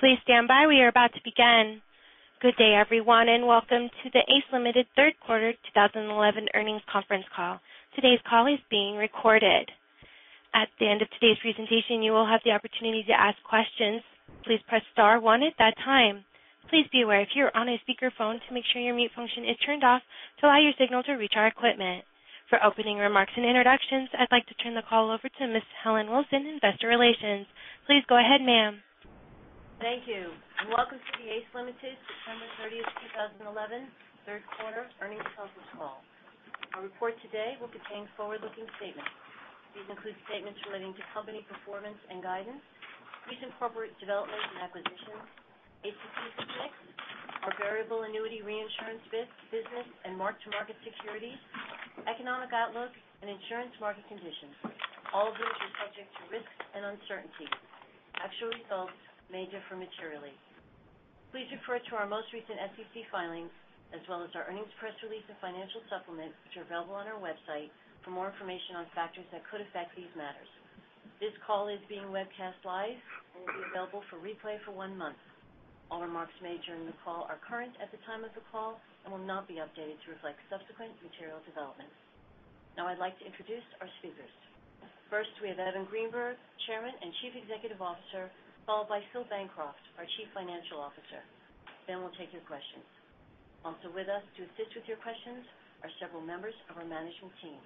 Please stand by. We are about to begin. Good day, everyone. Welcome to the ACE Limited Third Quarter 2011 Earnings Conference Call. Today's call is being recorded. At the end of today's presentation, you will have the opportunity to ask questions. Please press star one at that time. Please be aware, if you are on a speaker phone, to make sure your mute function is turned off to allow your signal to reach our equipment. For opening remarks and introductions, I'd like to turn the call over to Ms. Helen Wilson, Investor Relations. Please go ahead, ma'am. Thank you. Welcome to the ACE Limited September 30th, 2011 third quarter earnings conference call. Our report today will contain forward-looking statements. These include statements relating to company performance and guidance, recent corporate developments and acquisitions, ACE performance, our variable annuity reinsurance business and mark-to-market securities, economic outlook, and insurance market conditions. All of these are subject to risks and uncertainties. Actual results may differ materially. Please refer to our most recent SEC filings, as well as our earnings press release and financial supplement, which are available on our website for more information on factors that could affect these matters. This call is being webcast live and will be available for replay for one month. All remarks made during the call are current at the time of the call and will not be updated to reflect subsequent material developments. I'd like to introduce our speakers. First, we have Evan Greenberg, Chairman and Chief Executive Officer, followed by Phil Bancroft, our Chief Financial Officer. We'll take your questions. Also with us to assist with your questions are several members of our management team.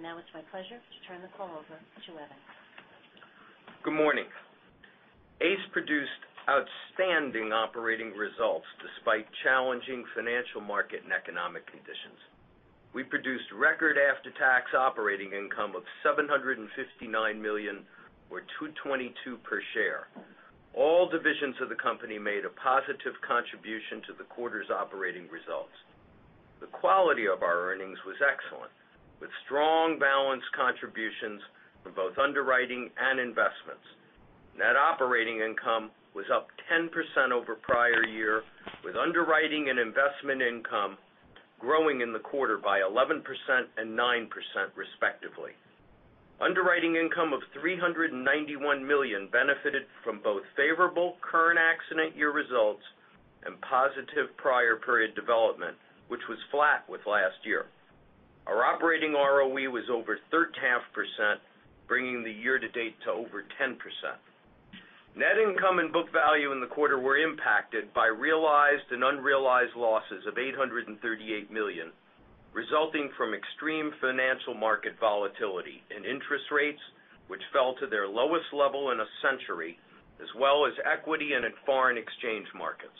It's my pleasure to turn the call over to Evan. Good morning. ACE produced outstanding operating results despite challenging financial market and economic conditions. We produced record after-tax operating income of $759 million, or $2.22 per share. All divisions of the company made a positive contribution to the quarter's operating results. The quality of our earnings was excellent, with strong balanced contributions from both underwriting and investments. Net operating income was up 10% over prior year, with underwriting and investment income growing in the quarter by 11% and 9% respectively. Underwriting income of $391 million benefited from both favorable current accident year results and positive prior period development, which was flat with last year. Our operating ROE was over 13.5%, bringing the year to date to over 10%. Net income and book value in the quarter were impacted by realized and unrealized losses of $838 million, resulting from extreme financial market volatility in interest rates, which fell to their lowest level in a century, as well as equity and in foreign exchange markets.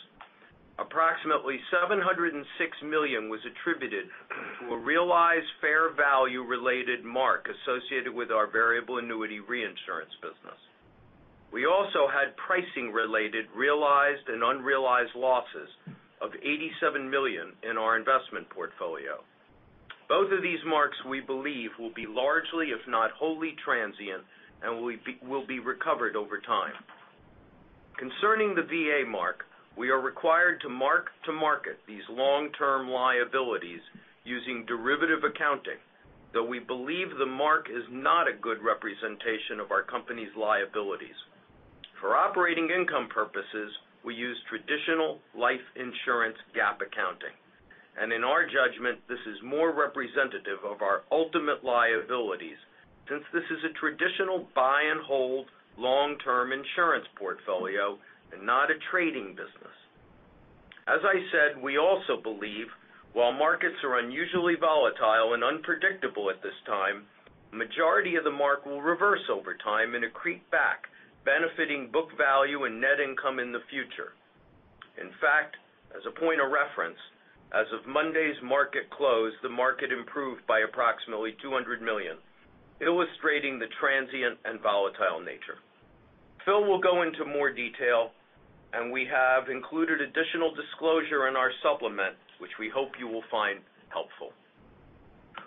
Approximately $706 million was attributed to a realized fair value related mark associated with our variable annuity reinsurance business. We also had pricing related realized and unrealized losses of $87 million in our investment portfolio. Both of these marks we believe will be largely, if not wholly transient, and will be recovered over time. Concerning the VA mark, we are required to mark-to-market these long-term liabilities using derivative accounting, though we believe the mark is not a good representation of our company's liabilities. For operating income purposes, we use traditional life insurance GAAP accounting. In our judgment, this is more representative of our ultimate liabilities since this is a traditional buy and hold long-term insurance portfolio and not a trading business. As I said, we also believe while markets are unusually volatile and unpredictable at this time, majority of the mark will reverse over time and accrete back, benefiting book value and net income in the future. In fact, as a point of reference, as of Monday's market close, the market improved by approximately $200 million, illustrating the transient and volatile nature. Phil will go into more detail. We have included additional disclosure in our supplement, which we hope you will find helpful.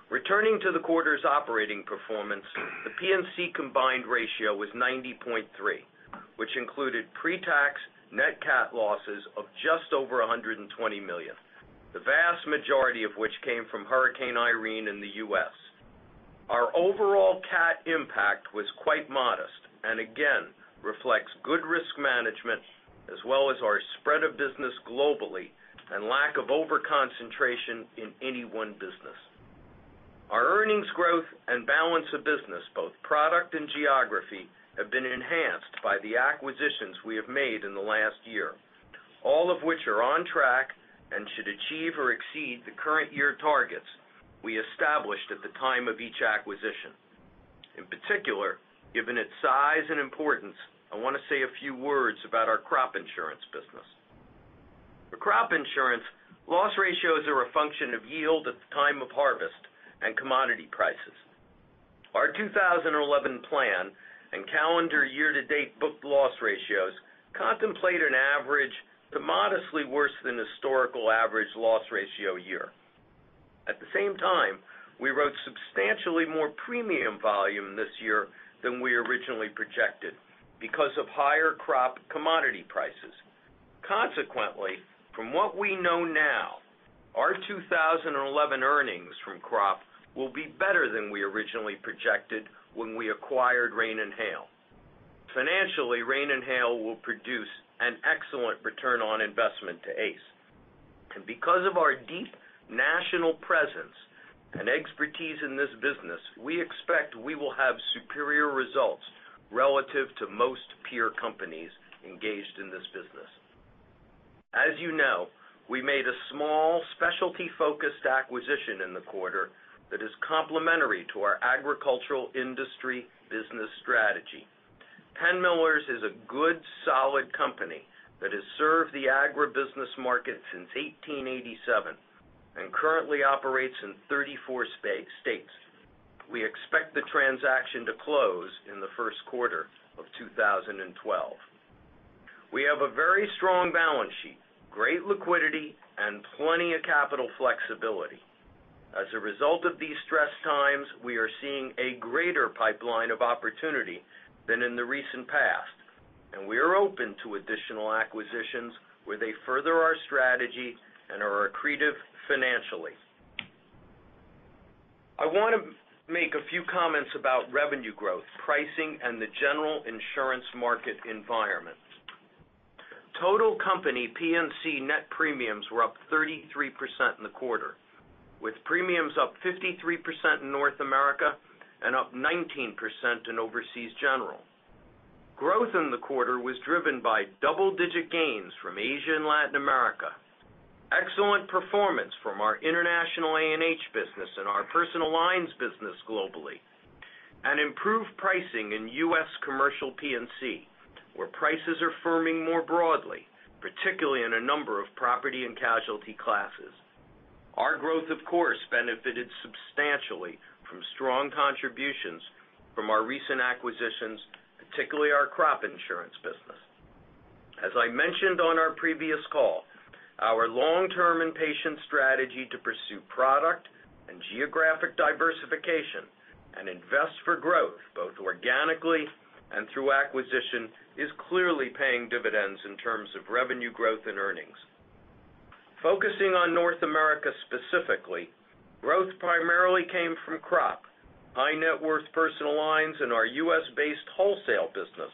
Returning to the quarter's operating performance, the P&C combined ratio was 90.3, which included pre-tax net cat losses of just over $120 million, the vast majority of which came from Hurricane Irene in the U.S. Our overall cat impact was quite modest and again reflects good risk management as well as our spread of business globally and lack of over-concentration in any one business. Our earnings growth and balance of business, both product and geography, have been enhanced by the acquisitions we have made in the last year, all of which are on track and should achieve or exceed the current year targets we established at the time of each acquisition. In particular, given its size and importance, I want to say a few words about our crop insurance business. For crop insurance, loss ratios are a function of yield at the time of harvest and commodity prices. Our 2011 plan and calendar year to date book loss ratios contemplate an average to modestly worse than historical average loss ratio year. At the same time, we wrote substantially more premium volume this year than we originally projected because of higher crop commodity prices. Consequently, from what we know now, our 2011 earnings from crop will be better than we originally projected when we acquired Rain and Hail. Financially, Rain and Hail will produce an excellent return on investment to ACE. Because of our deep national presence and expertise in this business, we expect we will have superior results relative to most peer companies engaged in this business. As you know, we made a small specialty focused acquisition in the quarter that is complementary to our agricultural industry business strategy. Penn Millers is a good, solid company that has served the agribusiness market since 1887 and currently operates in 34 states. We expect the transaction to close in the first quarter of 2012. We have a very strong balance sheet, great liquidity, and plenty of capital flexibility. As a result of these stressed times, we are seeing a greater pipeline of opportunity than in the recent past, and we are open to additional acquisitions where they further our strategy and are accretive financially. I want to make a few comments about revenue growth, pricing, and the general insurance market environment. Total company P&C net premiums were up 33% in the quarter, with premiums up 53% in North America and up 19% in overseas general. Growth in the quarter was driven by double digit gains from Asia and Latin America, excellent performance from our international A&H business and our personal lines business globally, and improved pricing in U.S. commercial P&C, where prices are firming more broadly, particularly in a number of property and casualty classes. Our growth, of course, benefited substantially from strong contributions from our recent acquisitions, particularly our crop insurance business. As I mentioned on our previous call, our long-term impatient strategy to pursue product and geographic diversification and invest for growth, both organically and through acquisition, is clearly paying dividends in terms of revenue growth and earnings. Focusing on North America specifically, growth primarily came from crop, high net worth personal lines in our U.S.-based wholesale business,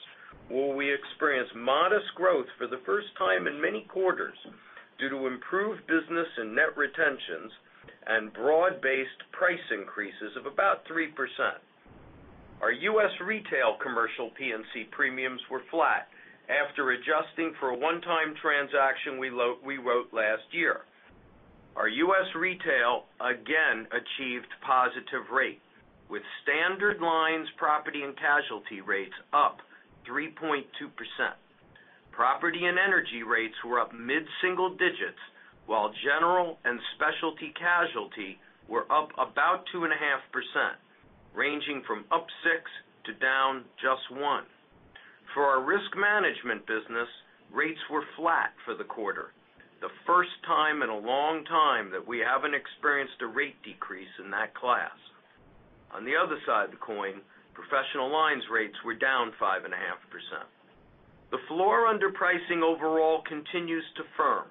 where we experienced modest growth for the first time in many quarters due to improved business and net retentions and broad-based price increases of about 3%. Our U.S. retail commercial P&C premiums were flat after adjusting for a one-time transaction we wrote last year. Our U.S. retail again achieved positive rate, with standard lines property and casualty rates up 3.2%. Property and energy rates were up mid-single digits, while general and specialty casualty were up about 2.5%, ranging from up six to down just one. For our risk management business, rates were flat for the quarter, the first time in a long time that we haven't experienced a rate decrease in that class. On the other side of the coin, professional lines rates were down 5.5%. The floor under pricing overall continues to firm,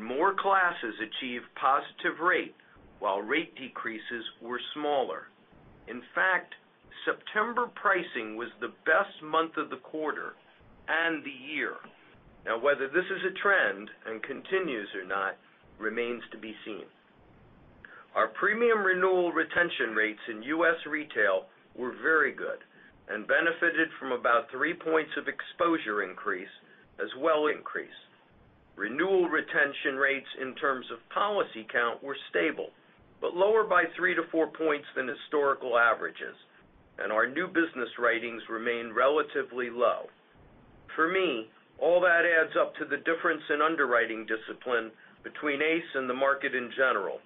more classes achieve positive rate while rate decreases were smaller. In fact, September pricing was the best month of the quarter and the year. Whether this is a trend and continues or not remains to be seen. Our premium renewal retention rates in U.S. retail were very good and benefited from about three points of exposure increase as well increase. Renewal retention rates in terms of policy count were stable, but lower by three to four points than historical averages, our new business writings remain relatively low. For me, all that adds up to the difference in underwriting discipline between ACE and the market in general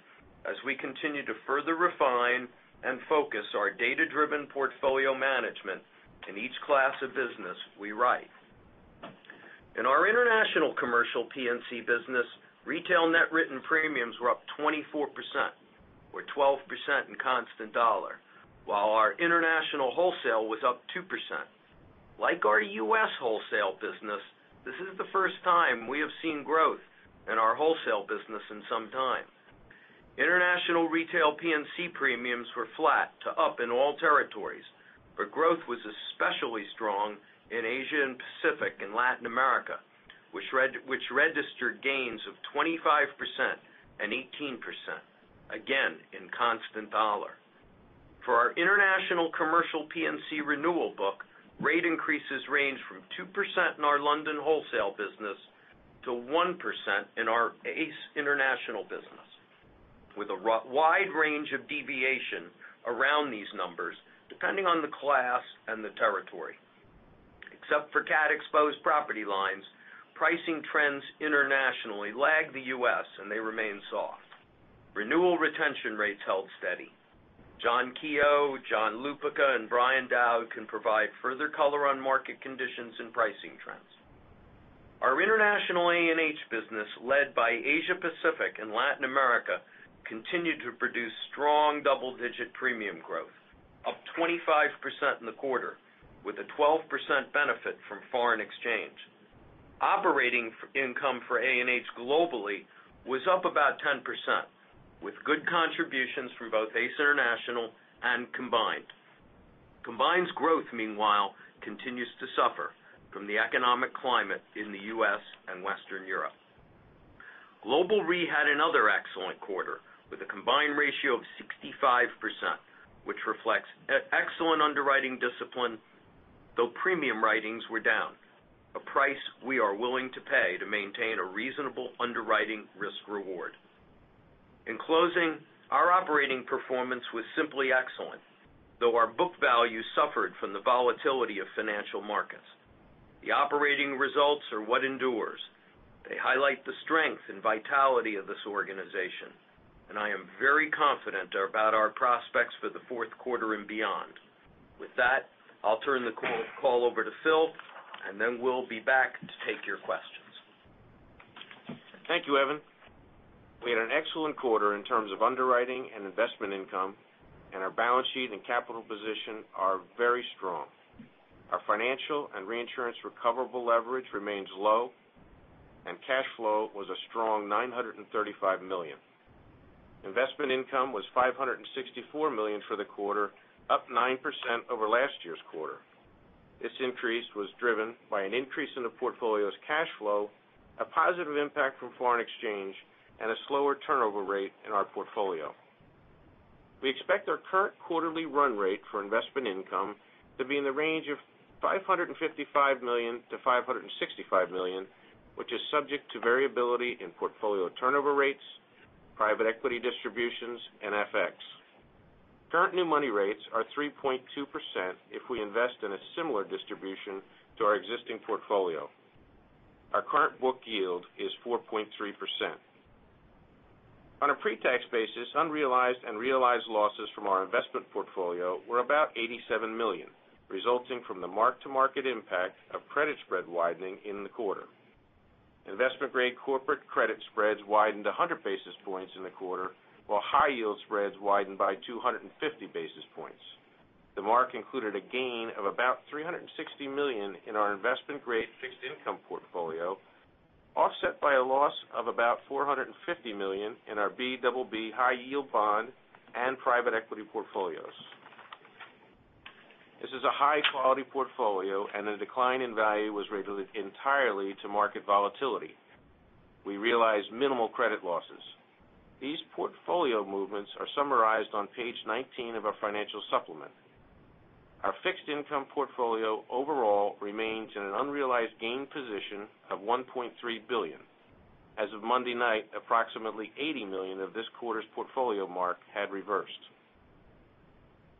as we continue to further refine and focus our data driven portfolio management in each class of business we write. In our international commercial P&C business, retail net written premiums were up 24%, or 12% in constant USD, while our international wholesale was up 2%. Like our U.S. wholesale business, this is the first time we have seen growth in our wholesale business in some time. International retail P&C premiums were flat to up in all territories, but growth was especially strong in Asia and Pacific and Latin America, which registered gains of 25% and 18%, again in constant USD. For our international commercial P&C renewal book, rate increases range from 2% in our London wholesale business to 1% in our ACE International business, with a wide range of deviation around these numbers depending on the class and the territory. Except for cat exposed property lines, pricing trends internationally lag the U.S. and they remain soft. Renewal retention rates held steady. John Keogh, John Lupica, and Brian Dowd can provide further color on market conditions and pricing trends. Our international A&H business, led by Asia Pacific and Latin America, continued to produce strong double-digit premium growth 25% in the quarter, with a 12% benefit from foreign exchange. Operating income for A&H globally was up about 10%, with good contributions from both ACE International and Combined. Combined's growth, meanwhile, continues to suffer from the economic climate in the U.S. and Western Europe. Global Re had another excellent quarter with a combined ratio of 65%, which reflects excellent underwriting discipline, though premium writings were down, a price we are willing to pay to maintain a reasonable underwriting risk/reward. In closing, our operating performance was simply excellent. Though our book value suffered from the volatility of financial markets. The operating results are what endures. They highlight the strength and vitality of this organization, and I am very confident about our prospects for the fourth quarter and beyond. With that, I'll turn the call over to Phil, and then we'll be back to take your questions. Thank you, Evan. We had an excellent quarter in terms of underwriting and investment income, and our balance sheet and capital position are very strong. Our financial and reinsurance recoverable leverage remains low, and cash flow was a strong $935 million. Investment income was $564 million for the quarter, up 9% over last year's quarter. This increase was driven by an increase in the portfolio's cash flow, a positive impact from foreign exchange, and a slower turnover rate in our portfolio. We expect our current quarterly run rate for investment income to be in the range of $555 million-$565 million, which is subject to variability in portfolio turnover rates, private equity distributions, and FX. Current new money rates are 3.2% if we invest in a similar distribution to our existing portfolio. Our current book yield is 4.3%. On a pre-tax basis, unrealized and realized losses from our investment portfolio were about $87 million, resulting from the mark-to-market impact of credit spread widening in the quarter. Investment-grade corporate credit spreads widened 100 basis points in the quarter, while high yield spreads widened by 250 basis points. The mark included a gain of about $360 million in our investment-grade fixed income portfolio, offset by a loss of about $450 million in our BBB high yield bond and private equity portfolios. This is a high-quality portfolio and the decline in value was related entirely to market volatility. We realized minimal credit losses. These portfolio movements are summarized on page 19 of our financial supplement. Our fixed income portfolio overall remains in an unrealized gain position of $1.3 billion. As of Monday night, approximately $80 million of this quarter's portfolio mark had reversed.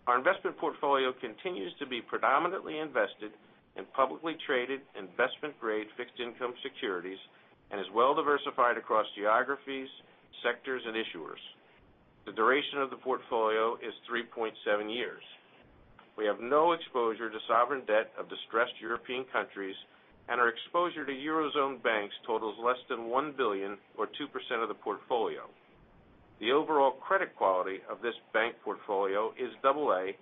Our investment portfolio continues to be predominantly invested in publicly traded investment-grade fixed income securities and is well diversified across geographies, sectors, and issuers. The duration of the portfolio is 3.7 years. We have no exposure to sovereign debt of distressed European countries, and our exposure to Eurozone banks totals less than $1 billion or 2% of the portfolio. The overall credit quality of this bank portfolio is AA,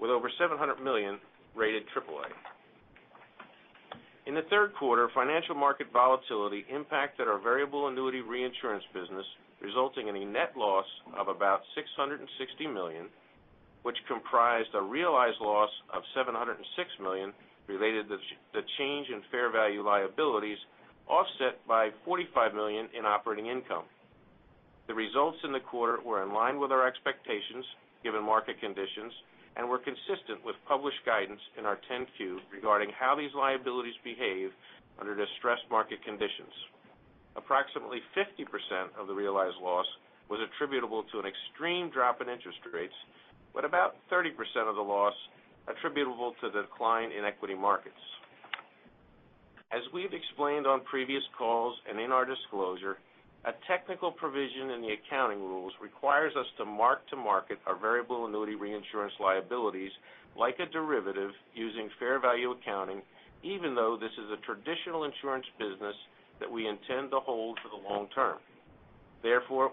with over $700 million rated AAA. In the third quarter, financial market volatility impacted our variable annuity reinsurance business, resulting in a net loss of about $660 million, which comprised a realized loss of $706 million related to the change in fair value liabilities, offset by $45 million in operating income. The results in the quarter were in line with our expectations, given market conditions, and were consistent with published guidance in our 10-Q regarding how these liabilities behave under distressed market conditions. Approximately 50% of the realized loss was attributable to an extreme drop in interest rates, with about 30% of the loss attributable to the decline in equity markets. As we've explained on previous calls and in our disclosure, a technical provision in the accounting rules requires us to mark-to-market our variable annuity reinsurance liabilities like a derivative using fair value accounting, even though this is a traditional insurance business that we intend to hold for the long term.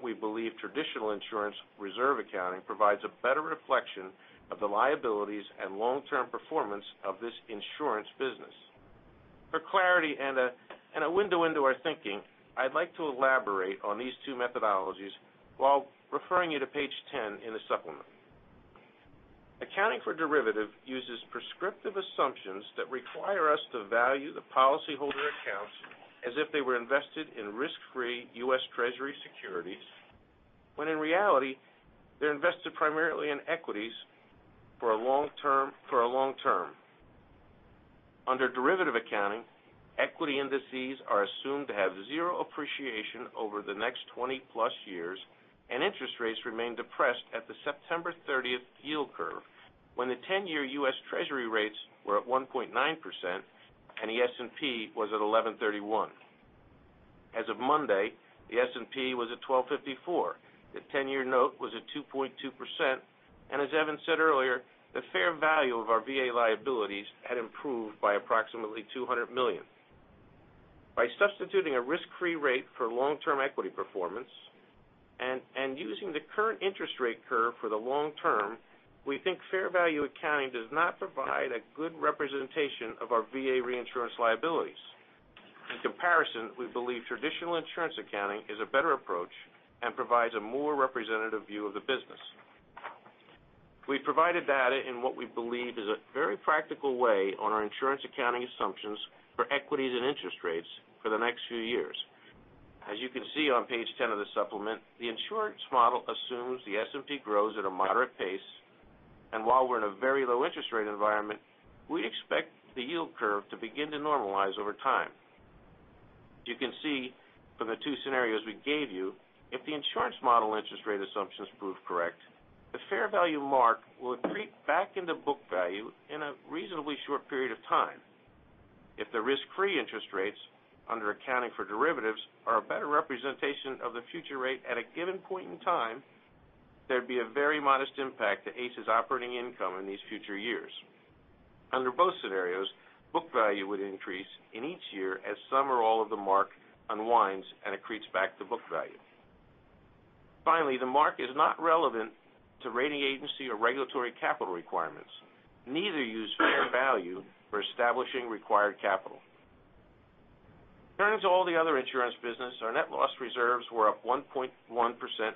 We believe traditional insurance reserve accounting provides a better reflection of the liabilities and long-term performance of this insurance business. For clarity and a window into our thinking, I'd like to elaborate on these two methodologies while referring you to page 10 in the supplement. Accounting for derivative uses prescriptive assumptions that require us to value the policyholder accounts as if they were invested in risk-free U.S. Treasury securities, when in reality, they're invested primarily in equities for a long term. Under derivative accounting, equity indices are assumed to have zero appreciation over the next 20 plus years, and interest rates remain depressed at the September 30th yield curve, when the 10-year U.S. Treasury rates were at 1.9% and the S&P was at 1,131. As of Monday, the S&P was at 1,254. The 10-year note was at 2.2%, and as Evan said earlier, the fair value of our VA liabilities had improved by approximately $200 million. By substituting a risk-free rate for long-term equity performance and using the current interest rate curve for the long term, we think fair value accounting does not provide a good representation of our VA reinsurance liabilities. In comparison, we believe traditional insurance accounting is a better approach and provides a more representative view of the business. We've provided data in what we believe is a very practical way on our insurance accounting assumptions for equities and interest rates for the next few years. As you can see on page 10 of the supplement, the insurance model assumes the S&P grows at a moderate pace. While we're in a very low interest rate environment, we expect the yield curve to begin to normalize over time. You can see from the two scenarios we gave you, if the insurance model interest rate assumptions prove correct, the fair value mark will accrete back into book value in a reasonably short period of time. If the risk-free interest rates under accounting for derivatives are a better representation of the future rate at a given point in time, there'd be a very modest impact to ACE's operating income in these future years. Under both scenarios, book value would increase in each year as some or all of the mark unwinds and accretes back to book value. Finally, the mark is not relevant to rating agency or regulatory capital requirements. Neither use fair value for establishing required capital. Returning to all the other insurance business, our net loss reserves were up 1.1%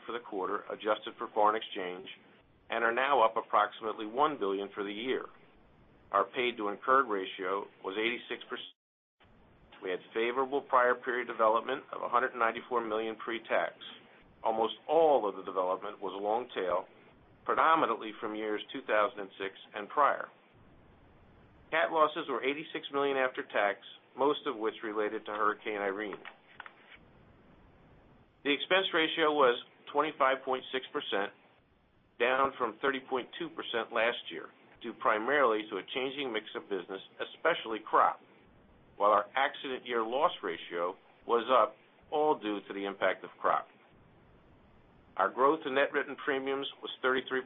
for the quarter, adjusted for foreign exchange, and are now up approximately $1 billion for the year. Our paid to incurred ratio was 86%. We had favorable prior period development of $194 million pre-tax. Almost all of the development was long tail, predominantly from years 2006 and prior. Cat losses were $86 million after tax, most of which related to Hurricane Irene. The expense ratio was 25.6%, down from 30.2% last year, due primarily to a changing mix of business, especially crop, while our accident year loss ratio was up, all due to the impact of crop. Our growth in net written premiums was 33%,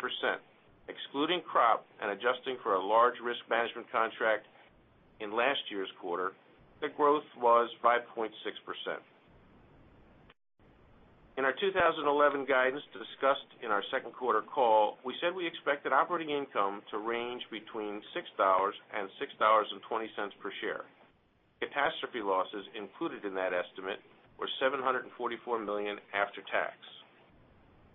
excluding crop and adjusting for a large risk management contract in last year's quarter, the growth was 5.6%. In our 2011 guidance discussed in our second quarter call, we said we expected operating income to range between $6 and $6.20 per share. Catastrophe losses included in that estimate were $744 million after tax.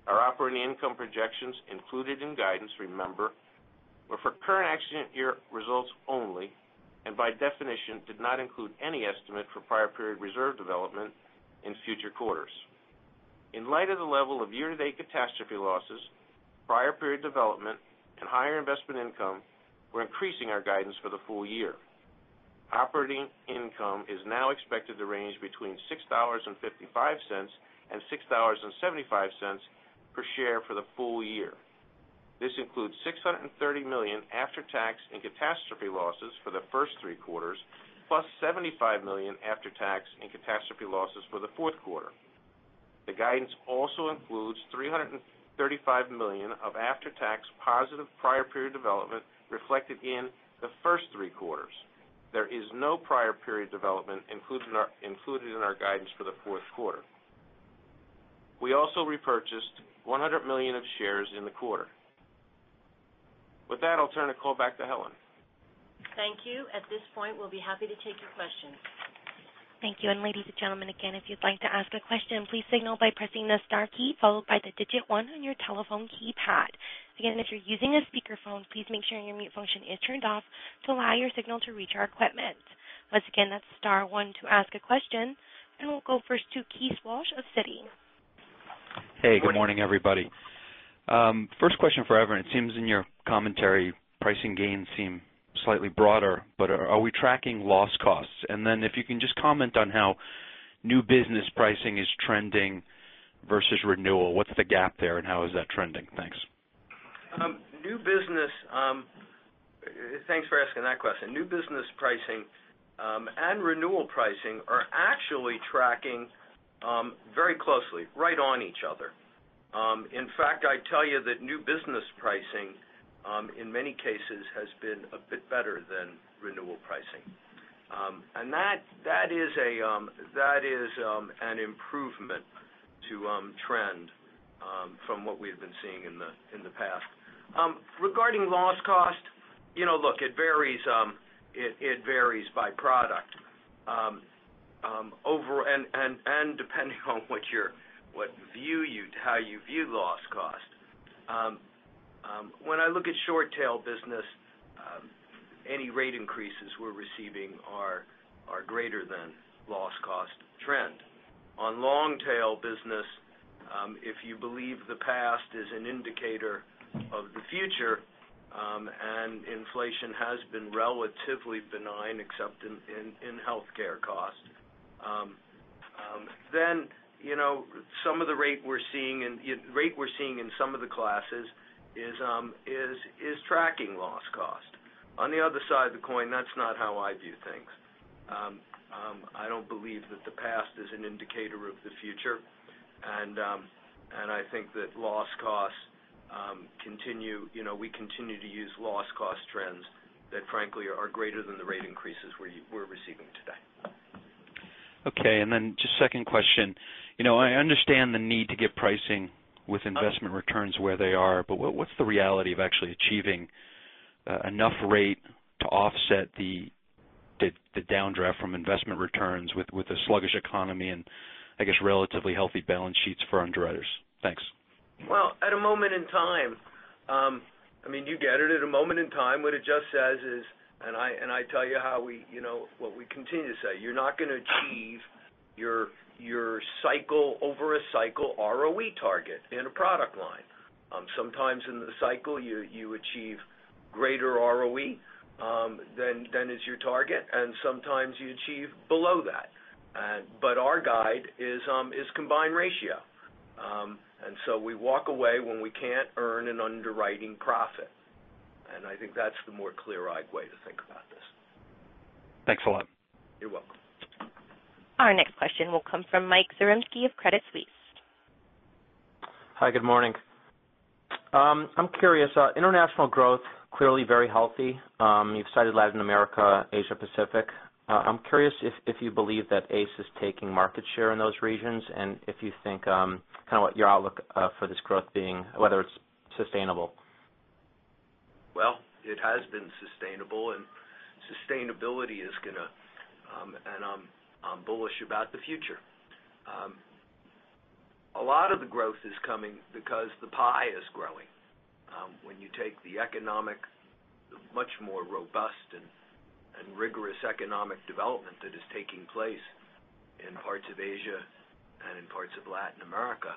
Our operating income projections included in guidance, remember, were for current accident year results only. By definition, did not include any estimate for prior period reserve development in future quarters. In light of the level of year-to-date catastrophe losses, prior period development, and higher investment income, we're increasing our guidance for the full year. Operating income is now expected to range between $6.55 and $6.75 per share for the full year. This includes $630 million after-tax and catastrophe losses for the first three quarters, plus $75 million after-tax and catastrophe losses for the fourth quarter. The guidance also includes $335 million of after-tax positive prior period development reflected in the first three quarters. There is no prior period development included in our guidance for the fourth quarter. We also repurchased $100 million of shares in the quarter. With that, I'll turn the call back to Helen. Thank you. At this point, we'll be happy to take your questions. Thank you. Ladies and gentlemen, again, if you'd like to ask a question, please signal by pressing the star key followed by the digit 1 on your telephone keypad. Again, if you're using a speakerphone, please make sure your mute function is turned off to allow your signal to reach our equipment. Once again, that's star 1 to ask a question, and we'll go first to Keith Walsh of Citi. Hey, good morning, everybody. First question for Evan. It seems in your commentary, pricing gains seem slightly broader, but are we tracking loss costs? If you can just comment on how new business pricing is trending versus renewal, what's the gap there, and how is that trending? Thanks. Thanks for asking that question. New business pricing and renewal pricing are actually tracking very closely, right on each other. In fact, I'd tell you that new business pricing, in many cases, has been a bit better than renewal pricing. That is an improvement to trend from what we have been seeing in the past. Regarding loss cost, look, it varies by product, and depending on how you view loss cost. When I look at short tail business, any rate increases we're receiving are greater than loss cost trend. On long tail business, if you believe the past is an indicator of the future, and inflation has been relatively benign except in healthcare cost, then the rate we're seeing in some of the classes is tracking loss cost. On the other side of the coin, that's not how I view things. I don't believe predictor of the future. I think that loss costs, we continue to use loss cost trends that frankly are greater than the rate increases we're receiving today. Okay, just second question. I understand the need to get pricing with investment returns where they are, but what's the reality of actually achieving enough rate to offset the downdraft from investment returns with the sluggish economy and, I guess, relatively healthy balance sheets for underwriters? Thanks. Well, at a moment in time, you get it. At a moment in time, what it just says is, I tell you what we continue to say, you're not going to achieve your cycle over a cycle ROE target in a product line. Sometimes in the cycle, you achieve greater ROE than is your target, sometimes you achieve below that. Our guide is combined ratio. We walk away when we can't earn an underwriting profit. I think that's the more clear-eyed way to think about this. Thanks a lot. You're welcome. Our next question will come from Michael Zaremski of Credit Suisse. Hi, good morning. I'm curious, international growth, clearly very healthy. You've cited Latin America, Asia Pacific. I'm curious if you believe that ACE is taking market share in those regions, if you think, kind of what your outlook for this growth being, whether it's sustainable? Well, it has been sustainable, and I'm bullish about the future. A lot of the growth is coming because the pie is growing. When you take the economic, much more robust and rigorous economic development that is taking place in parts of Asia and in parts of Latin America,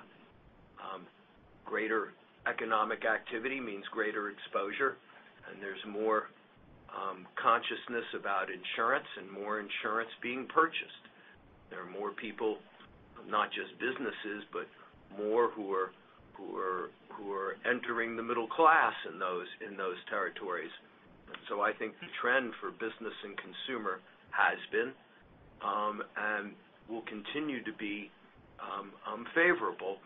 greater economic activity means greater exposure, and there's more consciousness about insurance and more insurance being purchased. There are more people, not just businesses, but more who are entering the middle class in those territories. I think the trend for business and consumer has been, and will continue to be favorable.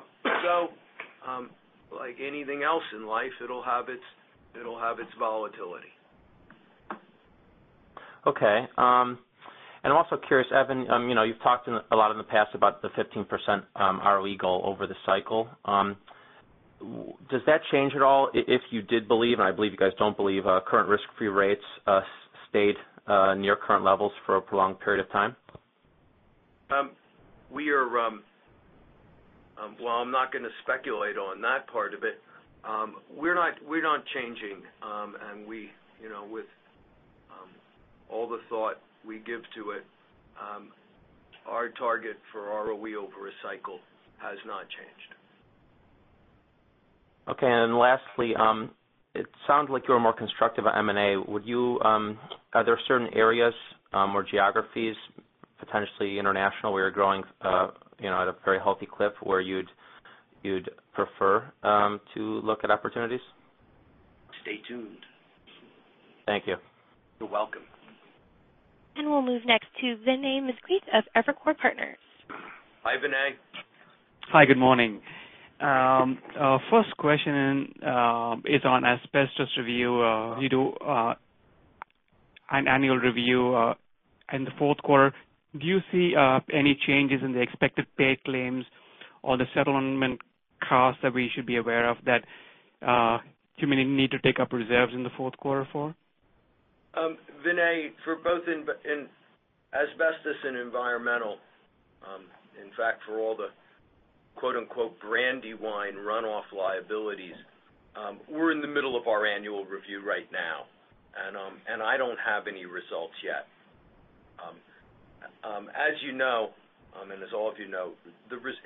Like anything else in life, it'll have its volatility. Okay. I'm also curious, Evan, you've talked a lot in the past about the 15% ROE goal over the cycle. Does that change at all if you did believe, and I believe you guys don't believe current risk-free rates stayed near current levels for a prolonged period of time? Well, I'm not going to speculate on that part of it. We're not changing, and with all the thought we give to it, our target for ROE over a cycle has not changed. Okay, then lastly, it sounds like you're more constructive on M&A. Are there certain areas or geographies, potentially international, where you're growing at a very healthy clip where you'd prefer to look at opportunities? Stay tuned. Thank you. You're welcome. We'll move next to Vinay Misquith of Evercore Partners. Hi, Vinay. Hi, good morning. First question is on asbestos review. You do an annual review in the fourth quarter. Do you see any changes in the expected paid claims or the settlement costs that we should be aware of that you may need to take up reserves in the fourth quarter for? Vinay, for both in asbestos and environmental, in fact, for all the Brandywine run-off liabilities, we're in the middle of our annual review right now. I don't have any results yet. As you know, and as all of you know,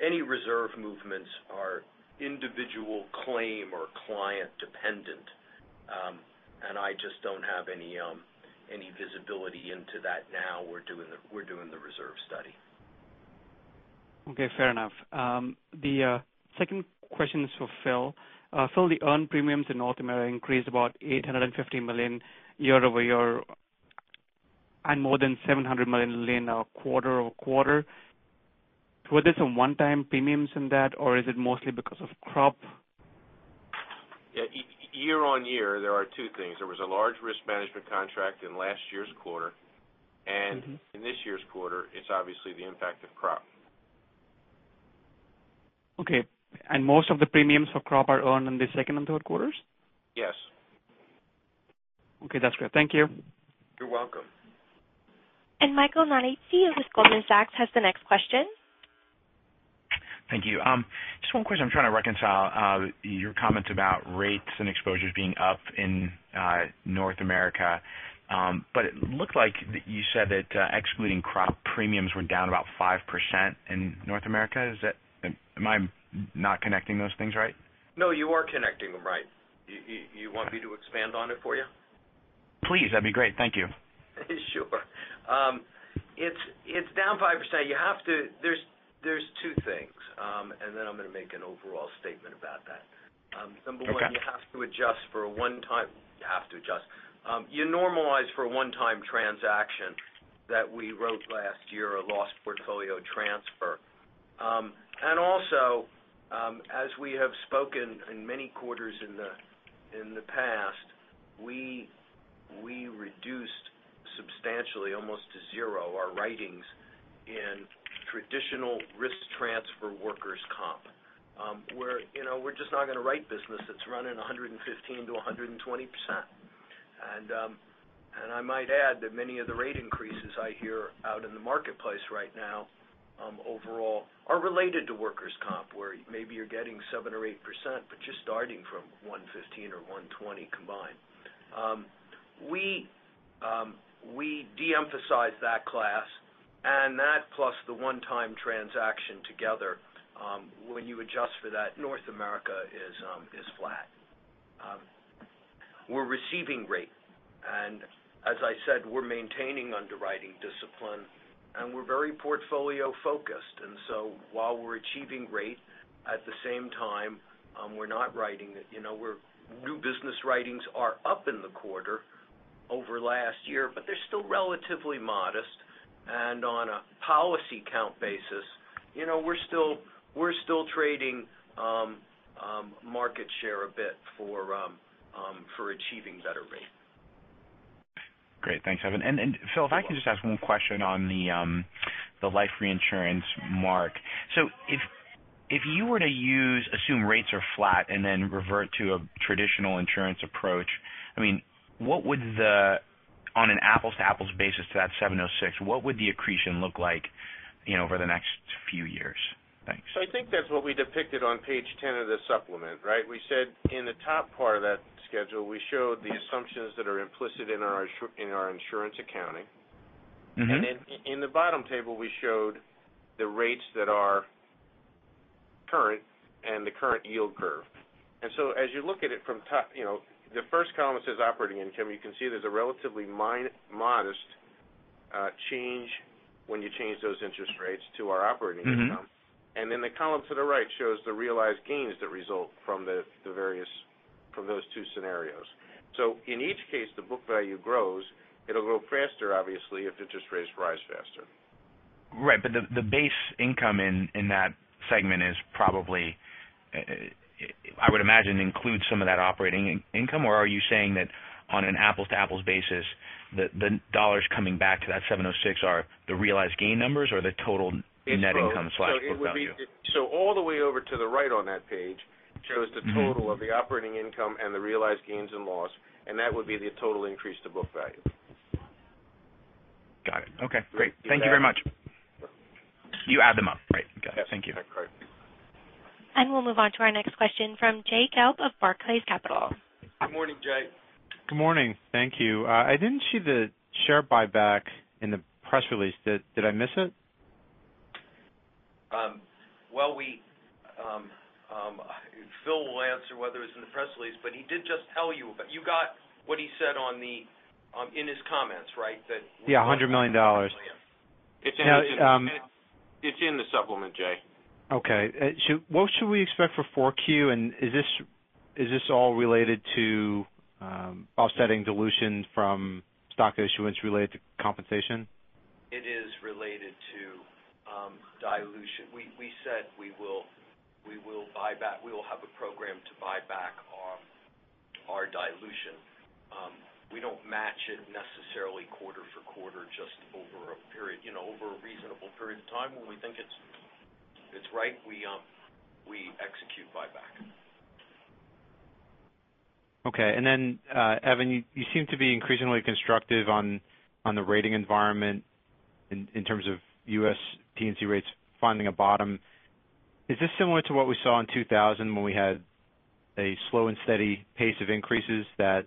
any reserve movements are individual claim or client dependent. I just don't have any visibility into that now. We're doing the reserve study. Okay, fair enough. The second question is for Phil. Phil, the earned premiums in North America increased about $850 million year-over-year. More than $700 million quarter-over-quarter. Were there some one-time premiums in that, or is it mostly because of crop? Year-on-year, there are two things. There was a large risk management contract in last year's quarter. In this year's quarter, it's obviously the impact of crop. Okay. Most of the premiums for crop are earned in the second and third quarters? Yes. Okay, that's great. Thank you. You're welcome. Michael Nannetti of Goldman Sachs has the next question. Thank you. Just one question I'm trying to reconcile your comments about rates and exposures being up in North America. It looked like you said that excluding crop premiums were down about 5% in North America. Am I not connecting those things right? No, you are connecting them right. You want me to expand on it for you? Please. That'd be great. Thank you. Sure. It's down 5%. There's To make an overall statement about that. Okay. Number 1, you normalize for a one-time transaction that we wrote last year, a loss portfolio transfer. Also, as we have spoken in many quarters in the past, we reduced substantially almost to zero our writings in traditional risk transfer workers' comp. We're just not going to write business that's running 115%-120%. I might add that many of the rate increases I hear out in the marketplace right now overall are related to workers' comp, where maybe you're getting 7% or 8%, but you're starting from 115 or 120 combined. We de-emphasize that class, and that plus the one-time transaction together, when you adjust for that, North America is flat. We're receiving rate. As I said, we're maintaining underwriting discipline and we're very portfolio-focused. While we're achieving rate, at the same time, new business writings are up in the quarter over last year, but they're still relatively modest. On a policy count basis, we're still trading market share a bit for achieving better rate. Great. Thanks, Evan. Phil, if I could just ask one question on the life reinsurance mark. If you were to assume rates are flat and then revert to a traditional insurance approach, on an apples-to-apples basis to that 706, what would the accretion look like over the next few years? Thanks. I think that's what we depicted on page 10 of the supplement, right? We said in the top part of that schedule, we showed the assumptions that are implicit in our insurance accounting. In the bottom table, we showed the rates that are current and the current yield curve. As you look at it from top, the first column says operating income. You can see there's a relatively modest change when you change those interest rates to our operating income. The column to the right shows the realized gains that result from those two scenarios. In each case, the book value grows. It'll grow faster, obviously, if interest rates rise faster. Right. The base income in that segment is probably, I would imagine, includes some of that operating income. Are you saying that on an apples-to-apples basis, the dollars coming back to that 706 are the realized gain numbers or the total net income/book value? all the way over to the right on that page shows the total of the operating income and the realized gains and loss, and that would be the total increase to book value. Got it. Okay, great. Thank you very much. You add them up, right? Got it. Thank you. That's correct. we'll move on to our next question from Jay Gelb of Barclays Capital. Good morning, Jay. Good morning. Thank you. I didn't see the share buyback in the press release. Did I miss it? Phil will answer whether it was in the press release, but he did just tell you. You got what he said in his comments, right? Yeah, $100 million. It's in the supplement, Jay. Okay. What should we expect for 4Q? Is this all related to offsetting dilution from stock issuance related to compensation? It is related to dilution. We said we will have a program to buy back our dilution. We don't match it necessarily quarter for quarter just over a reasonable period of time. When we think it's right, we execute buyback. Okay. Evan, you seem to be increasingly constructive on the rating environment in terms of U.S. P&C rates finding a bottom. Is this similar to what we saw in 2000 when we had a slow and steady pace of increases that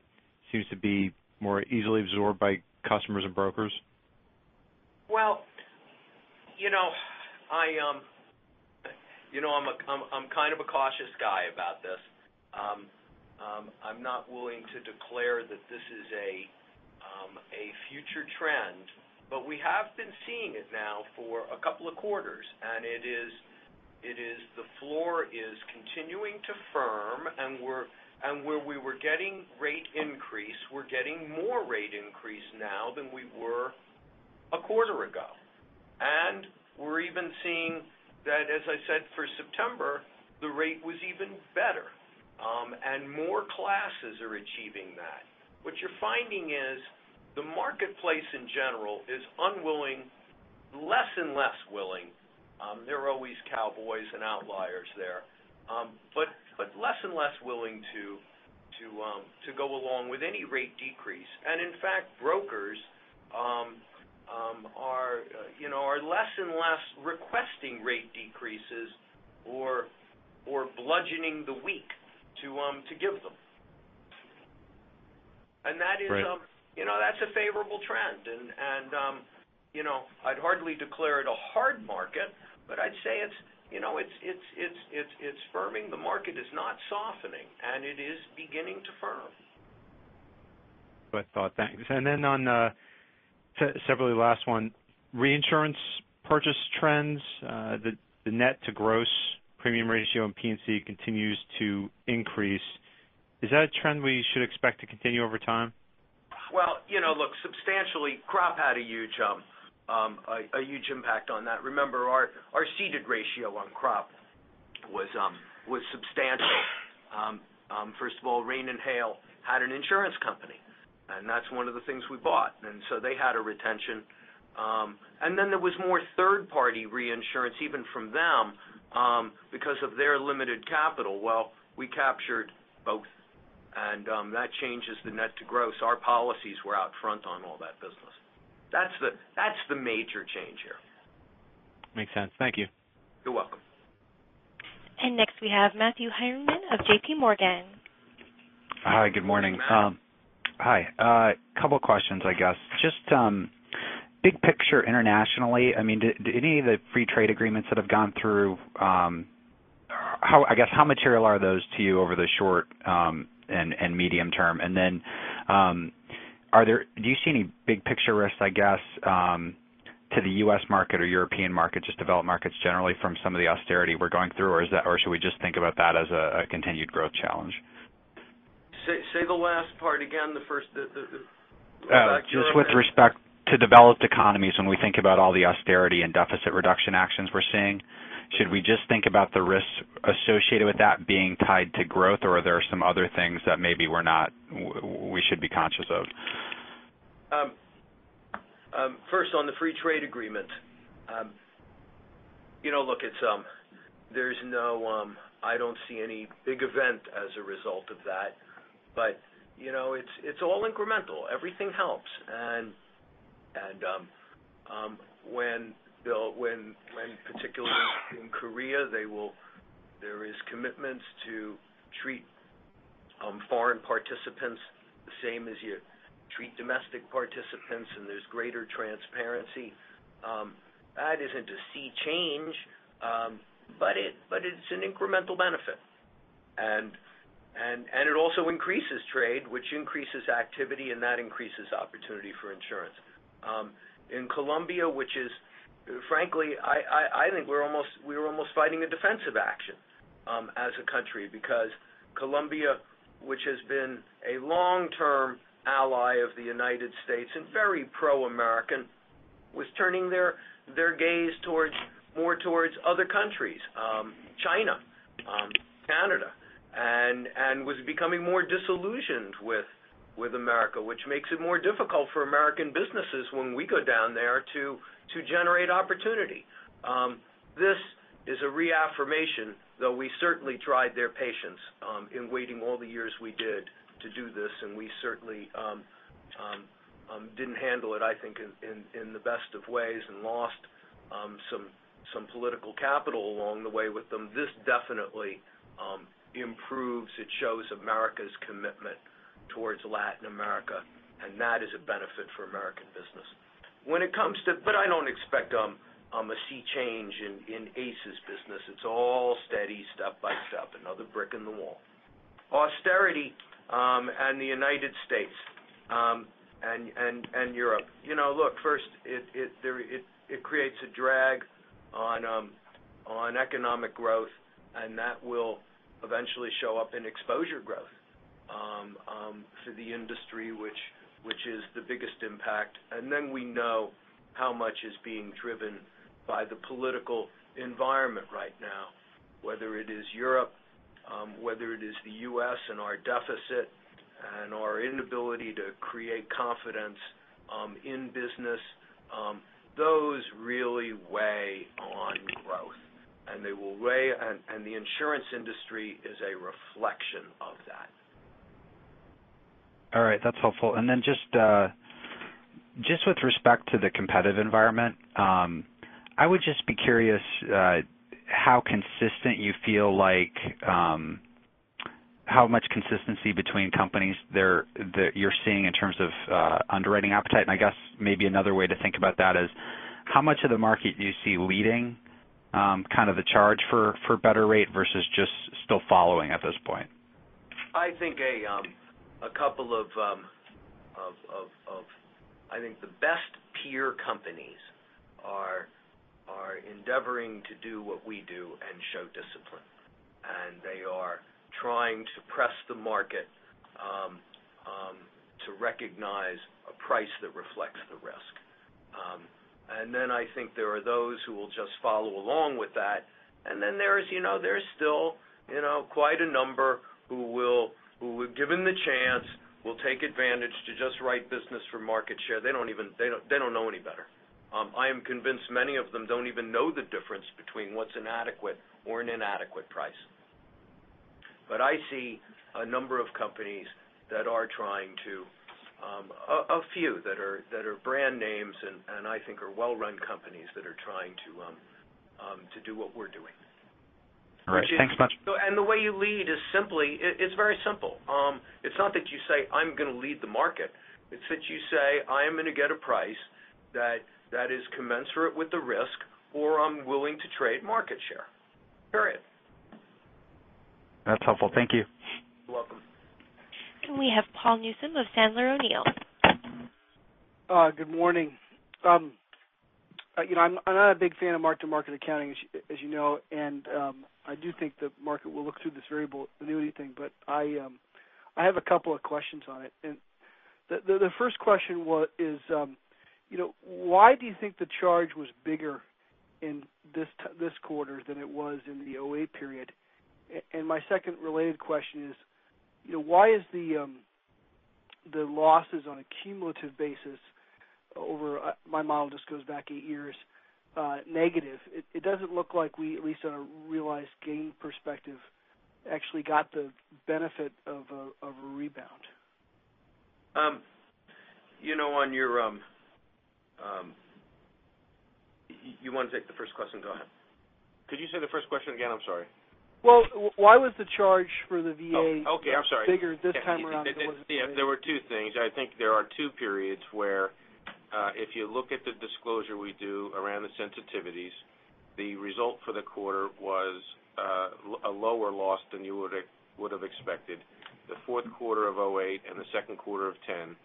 seems to be more easily absorbed by customers and brokers? Well, I'm kind of a cautious guy about this. I'm not willing to declare that this is a future trend, but we have been seeing it now for a couple of quarters, and the floor is continuing to firm, and where we were getting rate increase, we're getting more rate increase now than we were a quarter ago. We're even seeing that, as I said, for September, the rate was even better. More classes are achieving that. What you're finding is the marketplace in general is less and less willing. There are always cowboys and outliers there. Less and less willing to go along with any rate decrease. In fact, brokers are less and less requesting rate decreases or bludgeoning the weak to give them. Right. That's a favorable trend. I'd hardly declare it a hard market, but I'd say it's firming. The market is not softening, and it is beginning to firm. Great thought, thanks. On, separately, last one, reinsurance purchase trends, the net to gross premium ratio on P&C continues to increase. Is that a trend we should expect to continue over time? Well, look, substantially, crop had a huge impact on that. Remember, our ceded ratio on crop was substantial. First of all, Rain and Hail had an insurance company, and that's one of the things we bought, and so they had a retention. There was more third-party reinsurance even from them, because of their limited capital. Well, we captured both, and that changes the net to gross. Our policies were out front on all that business. That's the major change here. Makes sense. Thank you. You're welcome. Next, we have Matthew Heimermann of J.P. Morgan. Hi, good morning. Morning, Matt. Hi. Couple of questions, I guess. Just big picture internationally, any of the free trade agreements that have gone through, how material are those to you over the short and medium term? Do you see any big picture risks to the U.S. market or European market, just developed markets generally from some of the austerity we're going through, or should we just think about that as a continued growth challenge? Say the last part again. Just with respect to developed economies, when we think about all the austerity and deficit reduction actions we're seeing, should we just think about the risks associated with that being tied to growth, or are there some other things that maybe we should be conscious of? First, on the free trade agreement. Look, I don't see any big event as a result of that. It's all incremental. Everything helps. Particularly in Korea, there are commitments to treat foreign participants the same as you treat domestic participants, and there's greater transparency. That isn't a sea change, but it's an incremental benefit. It also increases trade, which increases activity, and that increases opportunity for insurance. In Colombia, frankly, I think we're almost fighting a defensive action as a country because Colombia, which has been a long-term ally of the U.S. and very pro-American, was turning their gaze more towards other countries, China, Canada, and was becoming more disillusioned with America, which makes it more difficult for American businesses when we go down there to generate opportunity. This is a reaffirmation, though we certainly tried their patience in waiting all the years we did to do this, and we certainly didn't handle it, I think, in the best of ways and lost some political capital along the way with them. This definitely improves. It shows America's commitment towards Latin America, and that is a benefit for American business. I don't expect a sea change in ACE's business. It's all steady step by step, another brick in the wall. Austerity and the U.S. and Europe. Look, first, it creates a drag on economic growth, and that will eventually show up in exposure growth for the industry, which is the biggest impact. Then we know how much is being driven by the political environment right now, whether it is Europe, whether it is the U.S. and our deficit and our inability to create confidence in business. Those really weigh on growth, and the insurance industry is a reflection of that. All right. That's helpful. Then just with respect to the competitive environment, I would just be curious how much consistency between companies that you're seeing in terms of underwriting appetite, and I guess maybe another way to think about that is how much of the market do you see leading the charge for better rate versus just still following at this point? I think the best peer companies are endeavoring to do what we do and show discipline. They are trying to press the market to recognize a price that reflects the risk. Then I think there are those who will just follow along with that. Then there's still quite a number who, given the chance, will take advantage to just write business for market share. They don't know any better. I am convinced many of them don't even know the difference between what's an adequate or an inadequate price. I see a number of companies, a few that are brand names and I think are well-run companies that are trying to do what we're doing. All right. Thanks much. The way you lead is very simple. It's not that you say, "I'm going to lead the market." It's that you say, "I am going to get a price that is commensurate with the risk, or I'm willing to trade market share." Period. That's helpful. Thank you. You're welcome. We have Paul Newsome of Sandler O'Neill. Good morning. I'm not a big fan of mark-to-market accounting, as you know, I do think the market will look through this variable annuity thing, I have a couple of questions on it. The first question is why do you think the charge was bigger in this quarter than it was in the 2008 period? My second related question is why is the losses on a cumulative basis over, my model just goes back eight years, negative? It doesn't look like we at least on a realized gain perspective, actually got the benefit of a rebound. You want to take the first question? Go ahead. Could you say the first question again? I'm sorry. Well, why was the charge for the VA- Oh, okay. I'm sorry bigger this time around than it was- Yeah. There were two things. I think there are two periods where, if you look at the disclosure we do around the sensitivities, the result for the quarter was a lower loss than you would've expected. The fourth quarter of 2008 and the second quarter of 2010.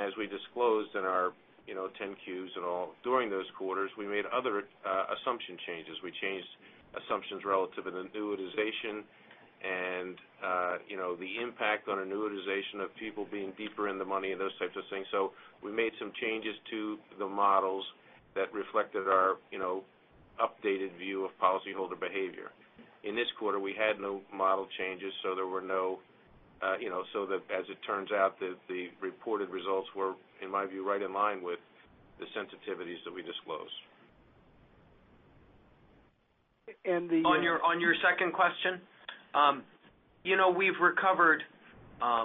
As we disclosed in our 10-Qs and all during those quarters, we made other assumption changes. We changed assumptions relative to the annuitization and the impact on annuitization of people being deeper in the money and those types of things. We made some changes to the models that reflected our updated view of policy holder behavior. In this quarter, we had no model changes, so as it turns out, the reported results were, in my view, right in line with the sensitivities that we disclosed. And the- On your second question, we've recovered a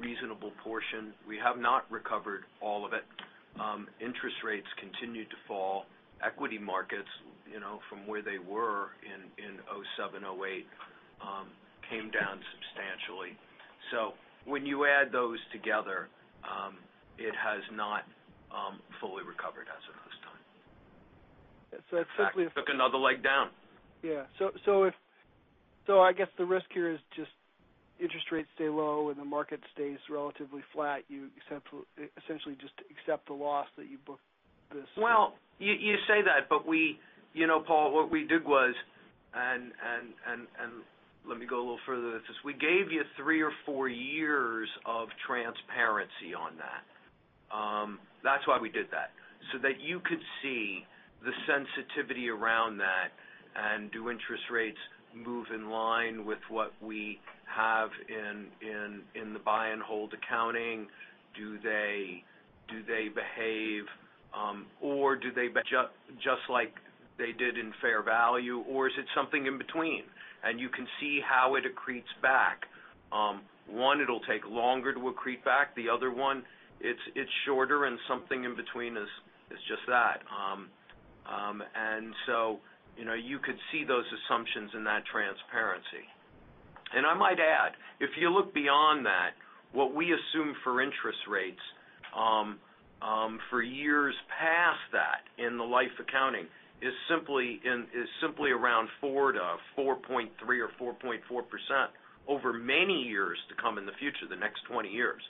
reasonable portion. We have not recovered all of it. Interest rates continued to fall. Equity markets, from where they were in 2007, 2008, came down substantially. When you add those together, it has not fully recovered as of this time. So it's simply- It, in fact, took another leg down. Yeah. I guess the risk here is just interest rates stay low and the market stays relatively flat. You essentially just accept the loss that you book this- Well, you say that, Paul, what we did was, and let me go a little further. We gave you three or four years of transparency on that. That's why we did that, so that you could see the sensitivity around that, and do interest rates move in line with what we have in the buy and hold accounting? Do they behave or do they just like they did in fair value or is it something in between? You can see how it accretes back. One, it'll take longer to accrete back. The other one, it's shorter and something in between is just that. You could see those assumptions in that transparency. I might add, if you look beyond that, what we assume for interest rates for years past that in the life accounting is simply around 4% to a 4.3% or 4.4% over many years to come in the future, the next 20 years.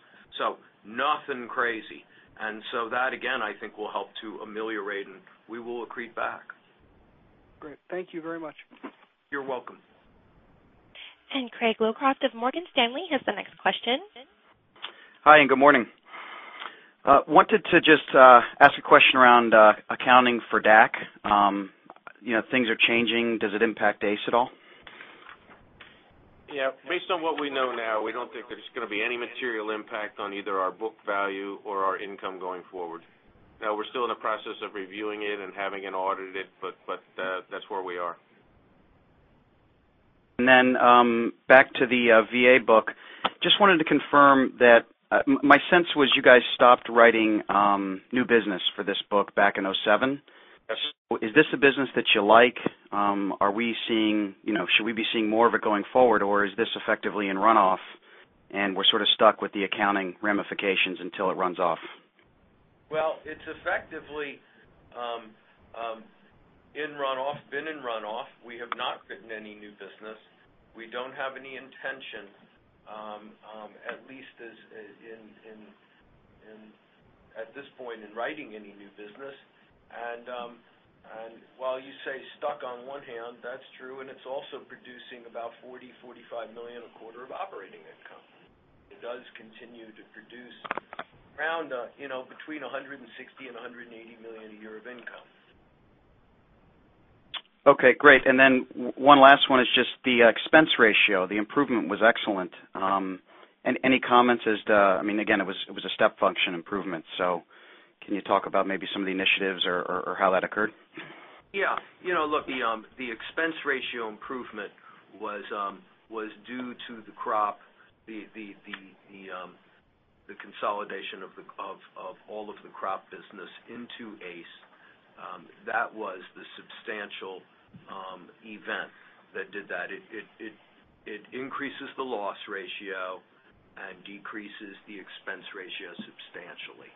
Nothing crazy. That again, I think will help to ameliorate and we will accrete back. Great. Thank you very much. You're welcome. Gregory Locraft of Morgan Stanley has the next question. Hi, good morning. Wanted to just ask a question around accounting for DAC. Things are changing. Does it impact ACE at all? Yeah. Based on what we know now, we don't think there's going to be any material impact on either our book value or our income going forward. We're still in the process of reviewing it and having it audited, but that's where we are. Back to the VA book. Just wanted to confirm that, my sense was you guys stopped writing new business for this book back in 2007. Yes. Is this a business that you like? Should we be seeing more of it going forward or is this effectively in runoff and we're sort of stuck with the accounting ramifications until it runs off? It's effectively in runoff, been in runoff. We have not written any new business. We don't have any intention, at least at this point in writing any new business. While you say stuck on one hand, that's true, and it's also producing about $40 million-$45 million a quarter of operating income. It does continue to produce around between $160 million and $180 million a year of income. Okay, great. One last one is just the expense ratio. The improvement was excellent. Any comments as to, again, it was a step function improvement. Can you talk about maybe some of the initiatives or how that occurred? Yeah. Look, the expense ratio improvement was due to the crop, the consolidation of all of the crop business into ACE. That was the substantial event that did that. It increases the loss ratio and decreases the expense ratio substantially.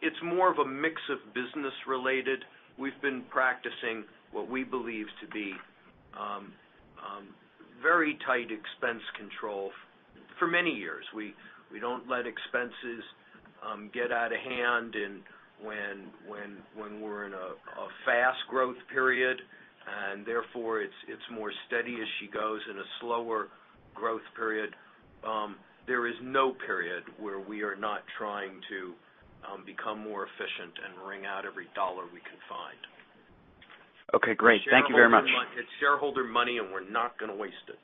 It's more of a mix of business related. We've been practicing what we believe to be very tight expense control for many years. We don't let expenses get out of hand when we're in a fast growth period, and therefore, it's more steady as she goes in a slower growth period. There is no period where we are not trying to become more efficient and wring out every dollar we can find. Okay, great. Thank you very much. It's shareholder money, and we're not going to waste it.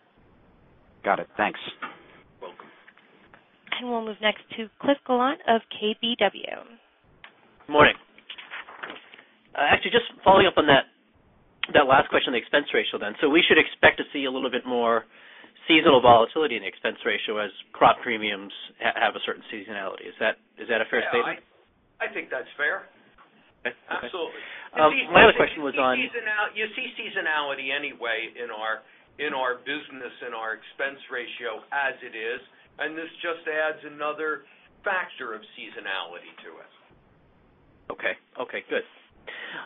Got it. Thanks. Welcome. We'll move next to Cliff Gallant of KBW. Morning. Actually, just following up on that last question, the expense ratio then. We should expect to see a little bit more seasonal volatility in the expense ratio as crop premiums have a certain seasonality. Is that a fair statement? Yeah. I think that's fair. Okay. Absolutely. My other question was. You see seasonality anyway in our business, in our expense ratio as it is, and this just adds another factor of seasonality to it. Okay. Good.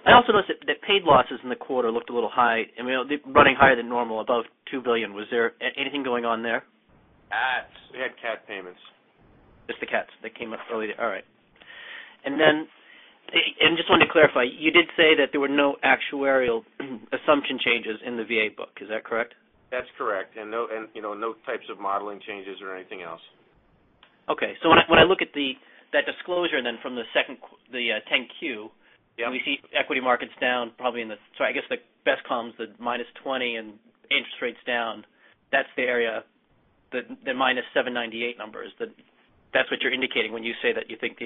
I also noticed that paid losses in the quarter looked a little high. Running higher than normal, above $2 billion. Was there anything going on there? CATs. We had CAT payments. Just the CATs that came up early. All right. Just wanted to clarify, you did say that there were no actuarial assumption changes in the VA book. Is that correct? That's correct. No types of modeling changes or anything else. Okay. When I look at that disclosure from the 10-Q. Yeah I guess the best comes the -20% and interest rates down. That's the area, the -$798 numbers. That's what you're indicating when you say that you think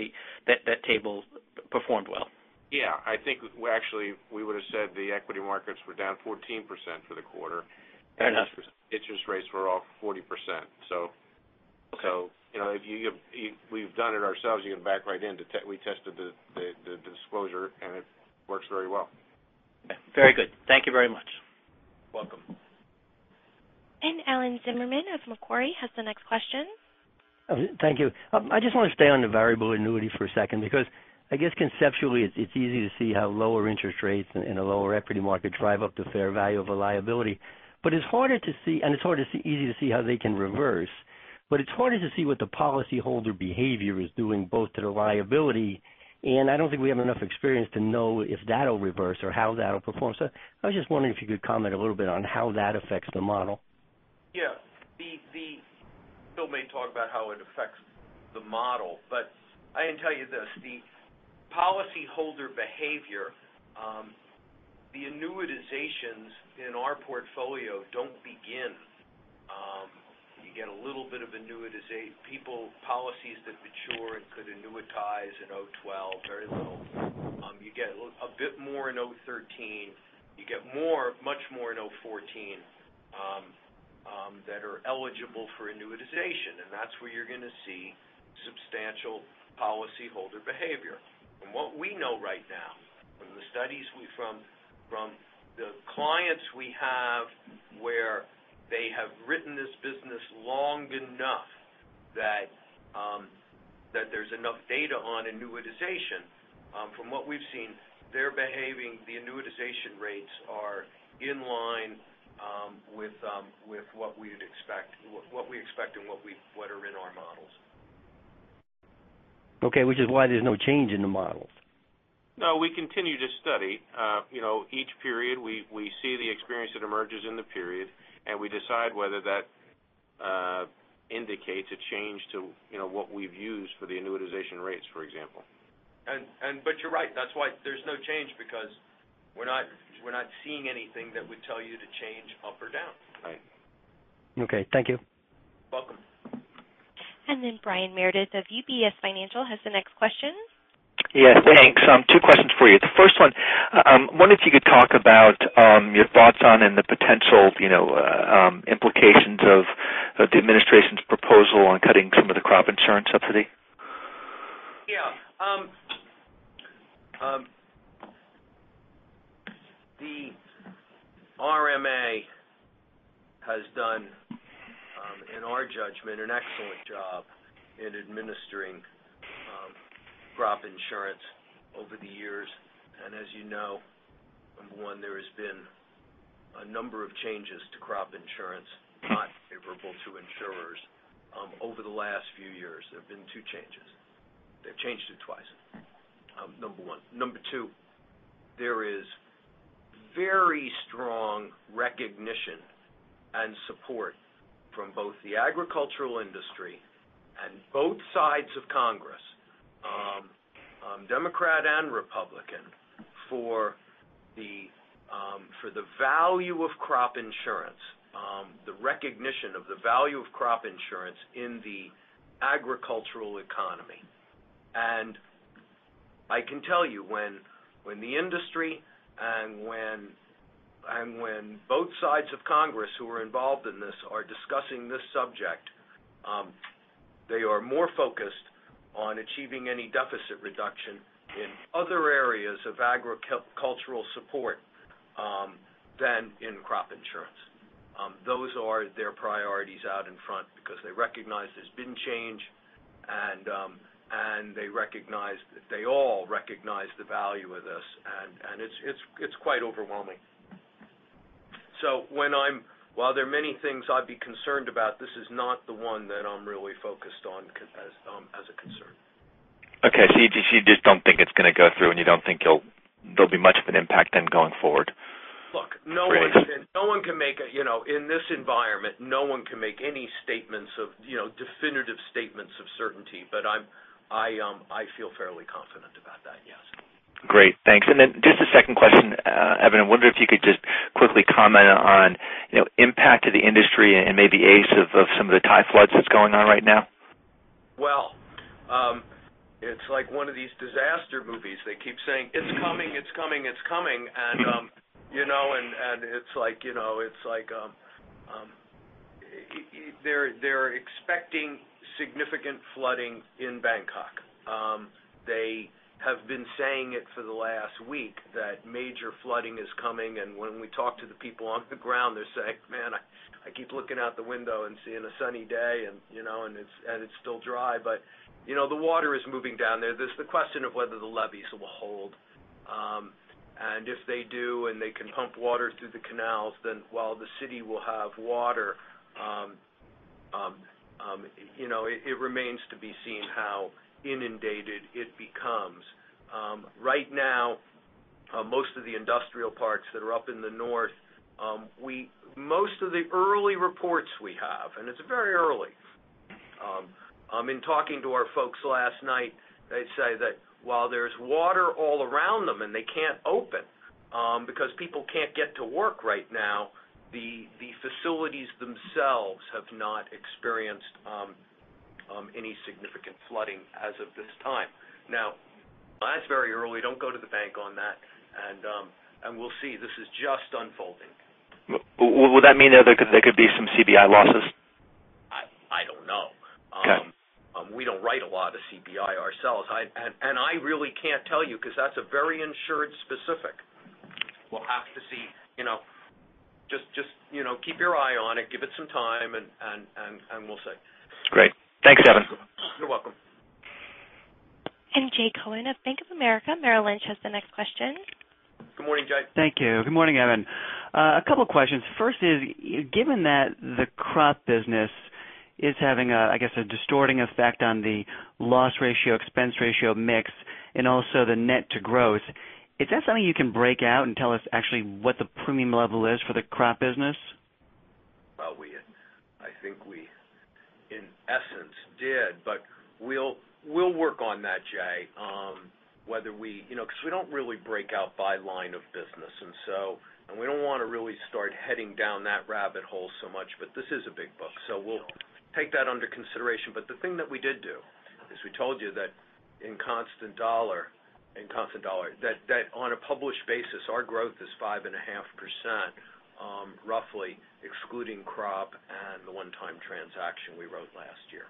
that that table performed well. Yeah. I think we actually would've said the equity markets were down 14% for the quarter. Fair enough. Interest rates were off 40%. Okay we've done it ourselves. You can back right in. We tested the disclosure, and it works very well. Okay. Very good. Thank you very much. Welcome. Alan Zimmermann of Macquarie has the next question. Thank you. I just want to stay on the variable annuity for a second, because I guess conceptually, it's easy to see how lower interest rates and a lower equity market drive up the fair value of a liability. It's harder to see, and it's sort of easy to see how they can reverse, but it's harder to see what the policyholder behavior is doing both to the liability, and I don't think we have enough experience to know if that'll reverse or how that'll perform. I was just wondering if you could comment a little bit on how that affects the model. Yeah. Bill may talk about how it affects the model, I can tell you this. The policyholder behavior, the annuitizations in our portfolio don't begin. You get a little bit of people, policies that mature and could annuitize in 2012, very little. You get a bit more in 2013. You get more, much more in 2014 that are eligible for annuitization, and that's where you're going to see substantial policyholder behavior. From what we know right now, from the studies from the clients we have where they have written this business long enough that there's enough data on annuitization, from what we've seen, they're behaving, the annuitization rates are in line with what we'd expect and what are in our models. Okay, which is why there's no change in the models. No, we continue to study. Each period, we see the experience that emerges in the period, and we decide whether that indicates a change to what we've used for the annuitization rates, for example. You're right. That's why there's no change because we're not seeing anything that would tell you to change up or down. Right. Okay. Thank you. Welcome. Brian Meredith of UBS has the next question. Yes, thanks. Two questions for you. The first one, wonder if you could talk about your thoughts on and the potential implications of the administration's proposal on cutting some of the crop insurance subsidy. Yeah. The RMA has done, in our judgment, an excellent job in administering crop insurance over the years. As you know, number one, there has been a number of changes to crop insurance, not favorable to insurers, over the last few years. There have been two changes. They've changed it twice, number one. Number two, there is very strong recognition and support from both the agricultural industry and both sides of Congress, Democrat and Republican, for the value of crop insurance. The recognition of the value of crop insurance in the agricultural economy. I can tell you, when the industry and when both sides of Congress who are involved in this are discussing this subject, they are more focused On achieving any deficit reduction in other areas of agricultural support than in crop insurance. Those are their priorities out in front because they recognize there's been change and they all recognize the value of this, and it's quite overwhelming. While there are many things I'd be concerned about, this is not the one that I'm really focused on as a concern. Okay. You just don't think it's going to go through, and you don't think there'll be much of an impact then going forward? Look, in this environment, no one can make any definitive statements of certainty. I feel fairly confident about that, yes. Great, thanks. Then just a second question, Evan. I wonder if you could just quickly comment on impact to the industry and maybe ACE of some of the Thai floods that's going on right now. Well, it's like one of these disaster movies. They keep saying, "It's coming." They're expecting significant flooding in Bangkok. They have been saying it for the last week that major flooding is coming, when we talk to the people on the ground, they're saying, "Man, I keep looking out the window and seeing a sunny day, and it's still dry." The water is moving down there. There's the question of whether the levees will hold. If they do and they can pump water through the canals, then while the city will have water, it remains to be seen how inundated it becomes. Right now, most of the industrial parks that are up in the north, most of the early reports we have, it's very early. In talking to our folks last night, they say that while there's water all around them and they can't open because people can't get to work right now, the facilities themselves have not experienced any significant flooding as of this time. Now, that's very early. Don't go to the bank on that, we'll see. This is just unfolding. Would that mean there could be some CBI losses? I don't know. Okay. We don't write a lot of CBI ourselves. I really can't tell you because that's very insured specific. We'll have to see. Just keep your eye on it, give it some time, and we'll see. Great. Thanks, Evan. You're welcome. Jay Cohen of Bank of America Merrill Lynch has the next question. Good morning, Jay. Thank you. Good morning, Evan. A couple questions. First is, given that the crop business is having a, I guess, a distorting effect on the loss ratio, expense ratio mix, and also the net to growth, is that something you can break out and tell us actually what the premium level is for the crop business? I think we, in essence, did, but we'll work on that, Jay. We don't really break out by line of business, and we don't want to really start heading down that rabbit hole so much. This is a big book, so we'll take that under consideration. The thing that we did do is we told you that in constant dollar, that on a published basis, our growth is 5.5%, roughly excluding crop and the one-time transaction we wrote last year.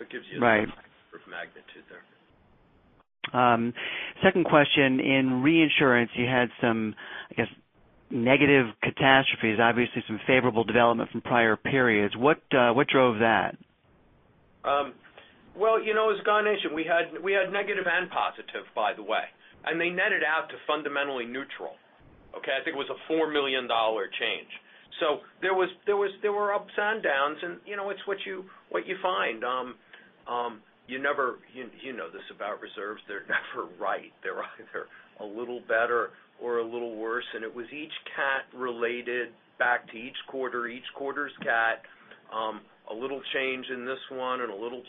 It gives you. Right sort of magnitude there. Second question. In reinsurance, you had some, I guess, negative catastrophes, obviously some favorable development from prior periods. What drove that? Well, as Garnish said, we had negative and positive, by the way, and they netted out to fundamentally neutral. Okay? I think it was a $4 million change. There were ups and downs and it's what you find. You know this about reserves, they're never right. They're either a little better or a little worse, and it was each cat related back to each quarter, each quarter's cat, a little change in this one and a little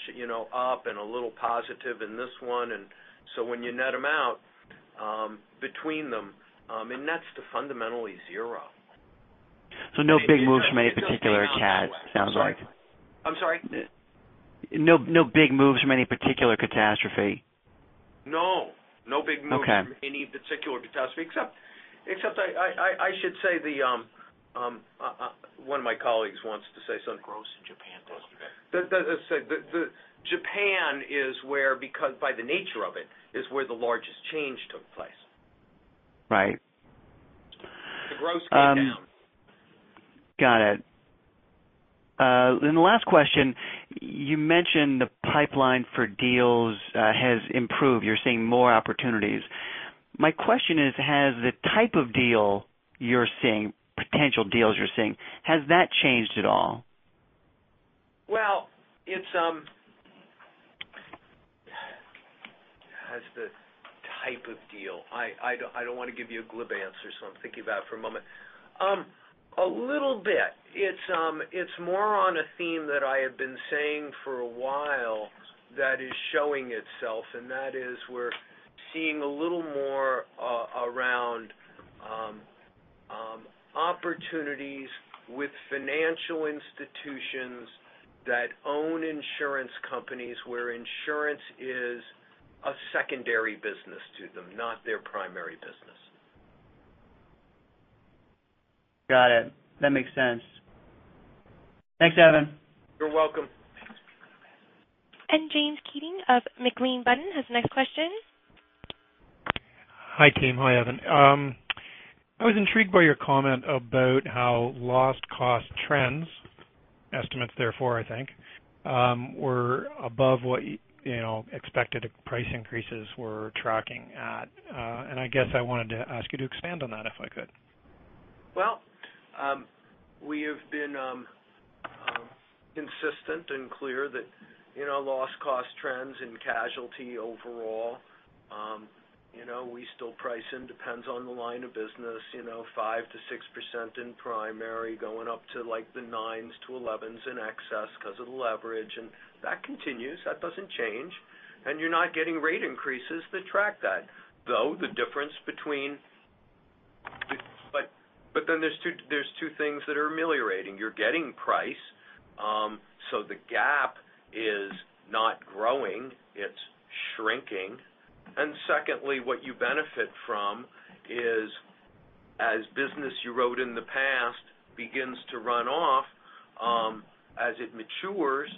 up and a little positive in this one. When you net them out between them, it nets to fundamentally zero. No big moves from any particular cat, sounds like? I'm sorry? No big moves from any particular catastrophe? No. Okay No big moves from any particular catastrophe, except I should say, one of my colleagues wants to say something. Gross in Japan Japan is where, by the nature of it, is where the largest change took place. Right. The gross came down. Got it. The last question, you mentioned the pipeline for deals has improved. You're seeing more opportunities. My question is, has the type of potential deals you're seeing, has that changed at all? Has the type of deal I don't want to give you a glib answer, so I'm thinking about it for a moment. A little bit. It's more on a theme that I have been saying for a while that is showing itself, and that is we're seeing a little more around opportunities with financial institutions that own insurance companies, where insurance is a secondary business to them, not their primary business. Got it. That makes sense. Thanks, Evan. You're welcome. [James Kiding] of McLean Button has the next question. Hi, team. Hi, Evan. I was intrigued by your comment about how loss cost trends, estimates therefore, I think, were above what expected price increases were tracking at. I guess I wanted to ask you to expand on that, if I could. Well, we have been consistent and clear that loss cost trends in casualty overall. We still price, it depends on the line of business, 5%-6% in primary, going up to like the nines to elevens in excess because of the leverage. That continues. That doesn't change. You're not getting rate increases that track that. There's two things that are ameliorating. You're getting price, the gap is not growing. It's shrinking. Secondly, what you benefit from is as business you wrote in the past begins to run off, as it matures,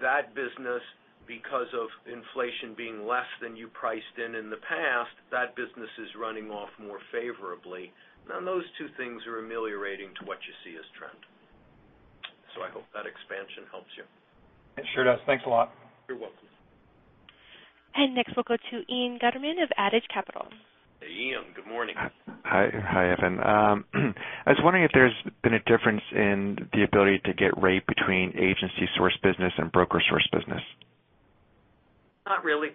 that business, because of inflation being less than you priced in in the past, that business is running off more favorably. Those two things are ameliorating to what you see as trend. I hope that expansion helps you. It sure does. Thanks a lot. You're welcome. Next, we'll go to Ian Gutterman of Adage Capital. Hey, Ian. Good morning. Hi, Evan. I was wondering if there's been a difference in the ability to get rate between agency source business and broker source business. Not really.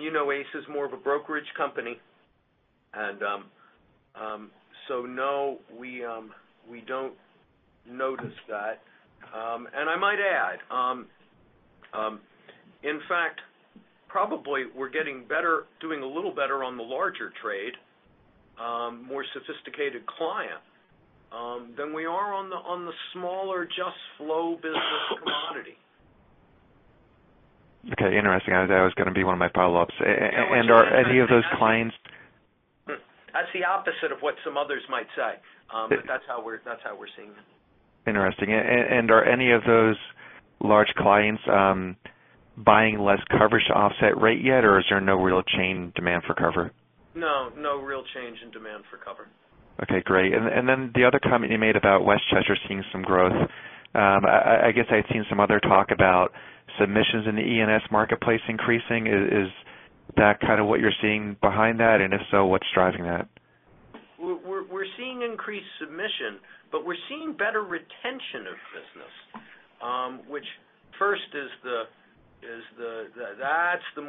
You know ACE is more of a brokerage company. No, we don't notice that. I might add, in fact, probably we're doing a little better on the larger trade, more sophisticated client, than we are on the smaller, just flow business commodity. Okay. Interesting. That was going to be one of my follow-ups. Are any of those clients- That's the opposite of what some others might say. That's how we're seeing it. Interesting. Are any of those large clients buying less coverage to offset rate yet, or is there no real change in demand for cover? No. No real change in demand for cover. Okay, great. The other comment you made about Westchester seeing some growth. I guess I had seen some other talk about submissions in the E&S marketplace increasing. Is that kind of what you're seeing behind that, and if so, what's driving that? We're seeing increased submission, but we're seeing better retention of business, which first is the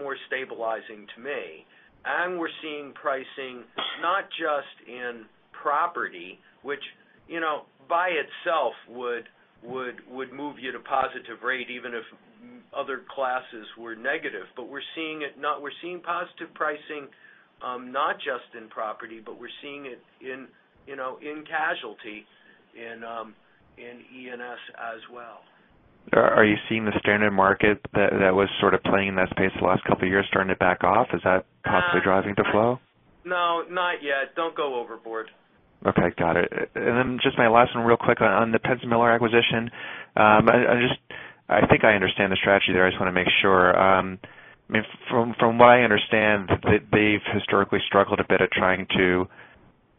more stabilizing to me. We're seeing pricing not just in property, which by itself would move you to positive rate even if other classes were negative. We're seeing positive pricing not just in property, but we're seeing it in casualty in E&S as well. Are you seeing the standard market that was sort of playing in that space the last couple of years starting to back off? Is that possibly driving the flow? No, not yet. Don't go overboard. Okay. Got it. Then just my last one real quick on the Penn Millers acquisition. I think I understand the strategy there. I just want to make sure. From what I understand, they've historically struggled a bit at trying to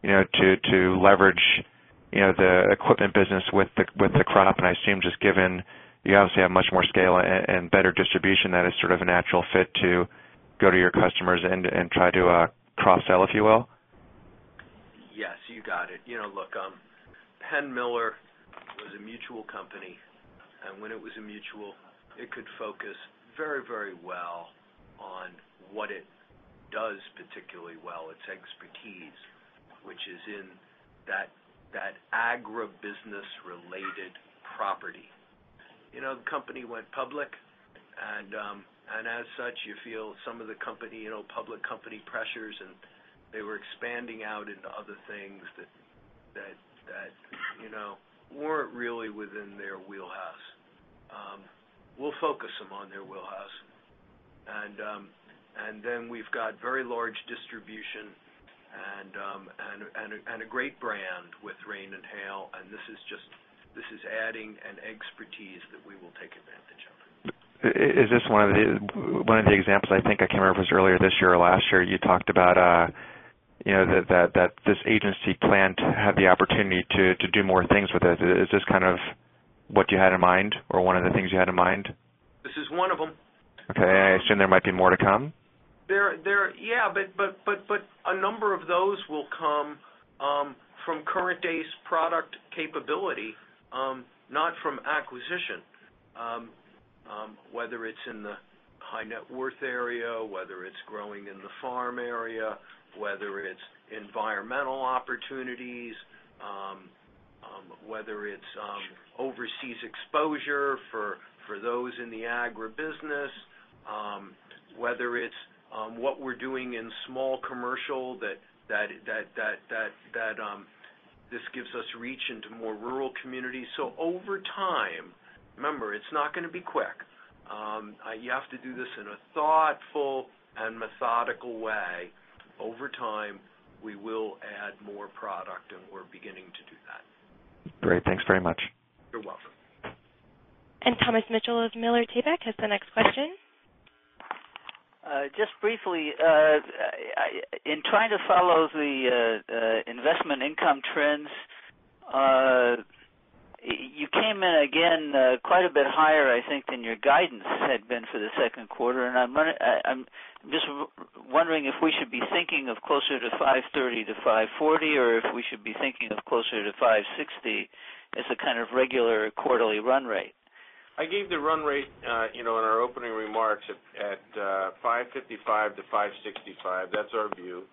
leverage the equipment business with the crop. I assume just given you obviously have much more scale and better distribution, that is sort of a natural fit to go to your customers and try to cross-sell, if you will? Yes, you got it. Look, Penn Millers was a mutual company, when it was a mutual, it could focus very well on what it does particularly well, its expertise, which is in that agribusiness-related property. The company went public, as such, you feel some of the public company pressures, they were expanding out into other things that weren't really within their wheelhouse. We'll focus them on their wheelhouse. Then we've got very large distribution and a great brand with Rain and Hail, this is adding an expertise that we will take advantage of. Is this one of the examples, I think, I can't remember if it was earlier this year or last year, you talked about that this agency planned to have the opportunity to do more things with this. Is this kind of what you had in mind or one of the things you had in mind? This is one of them. Okay. I assume there might be more to come. Yeah. A number of those will come from current days product capability, not from acquisition. Whether it's in the high net worth area, whether it's growing in the farm area, whether it's environmental opportunities, whether it's overseas exposure for those in the agribusiness, whether it's what we're doing in small commercial that this gives us reach into more rural communities. Over time, remember, it's not going to be quick You have to do this in a thoughtful and methodical way. Over time, we will add more product, and we're beginning to do that. Great. Thanks very much. You're welcome. Thomas Mitchell of Miller Tabak has the next question. Just briefly, in trying to follow the investment income trends, you came in again quite a bit higher, I think, than your guidance had been for the second quarter. I'm just wondering if we should be thinking of closer to $530-$540, or if we should be thinking of closer to $560 as a kind of regular quarterly run rate. I gave the run rate in our opening remarks at $555-$565. That's our view.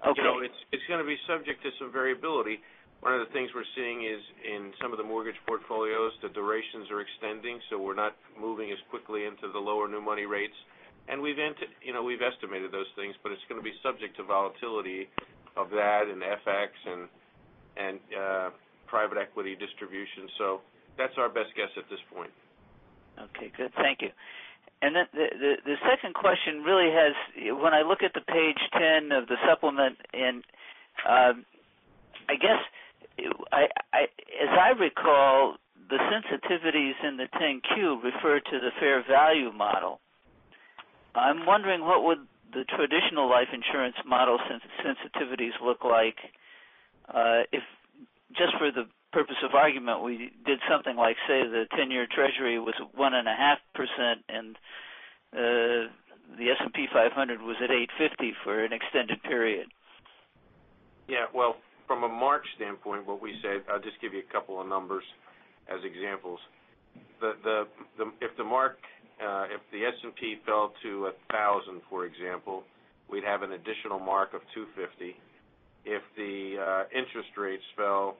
Okay. It's going to be subject to some variability. One of the things we're seeing is in some of the mortgage portfolios, the durations are extending, so we're not moving as quickly into the lower new money rates. We've estimated those things, but it's going to be subject to volatility of that and FX and private equity distribution. That's our best guess at this point. Okay, good. Thank you. The second question really has, when I look at the page 10 of the supplement, and I guess, as I recall, the sensitivities in the 10-Q refer to the fair value model. I'm wondering, what would the traditional life insurance model sensitivities look like if, just for the purpose of argument, we did something like, say, the 10-year Treasury was 1.5% and the S&P 500 was at 850 for an extended period? Yeah. Well, from a mark standpoint, what we said, I'll just give you a couple of numbers as examples. If the S&P fell to 1,000, for example, we'd have an additional mark of $250. If the interest rates fell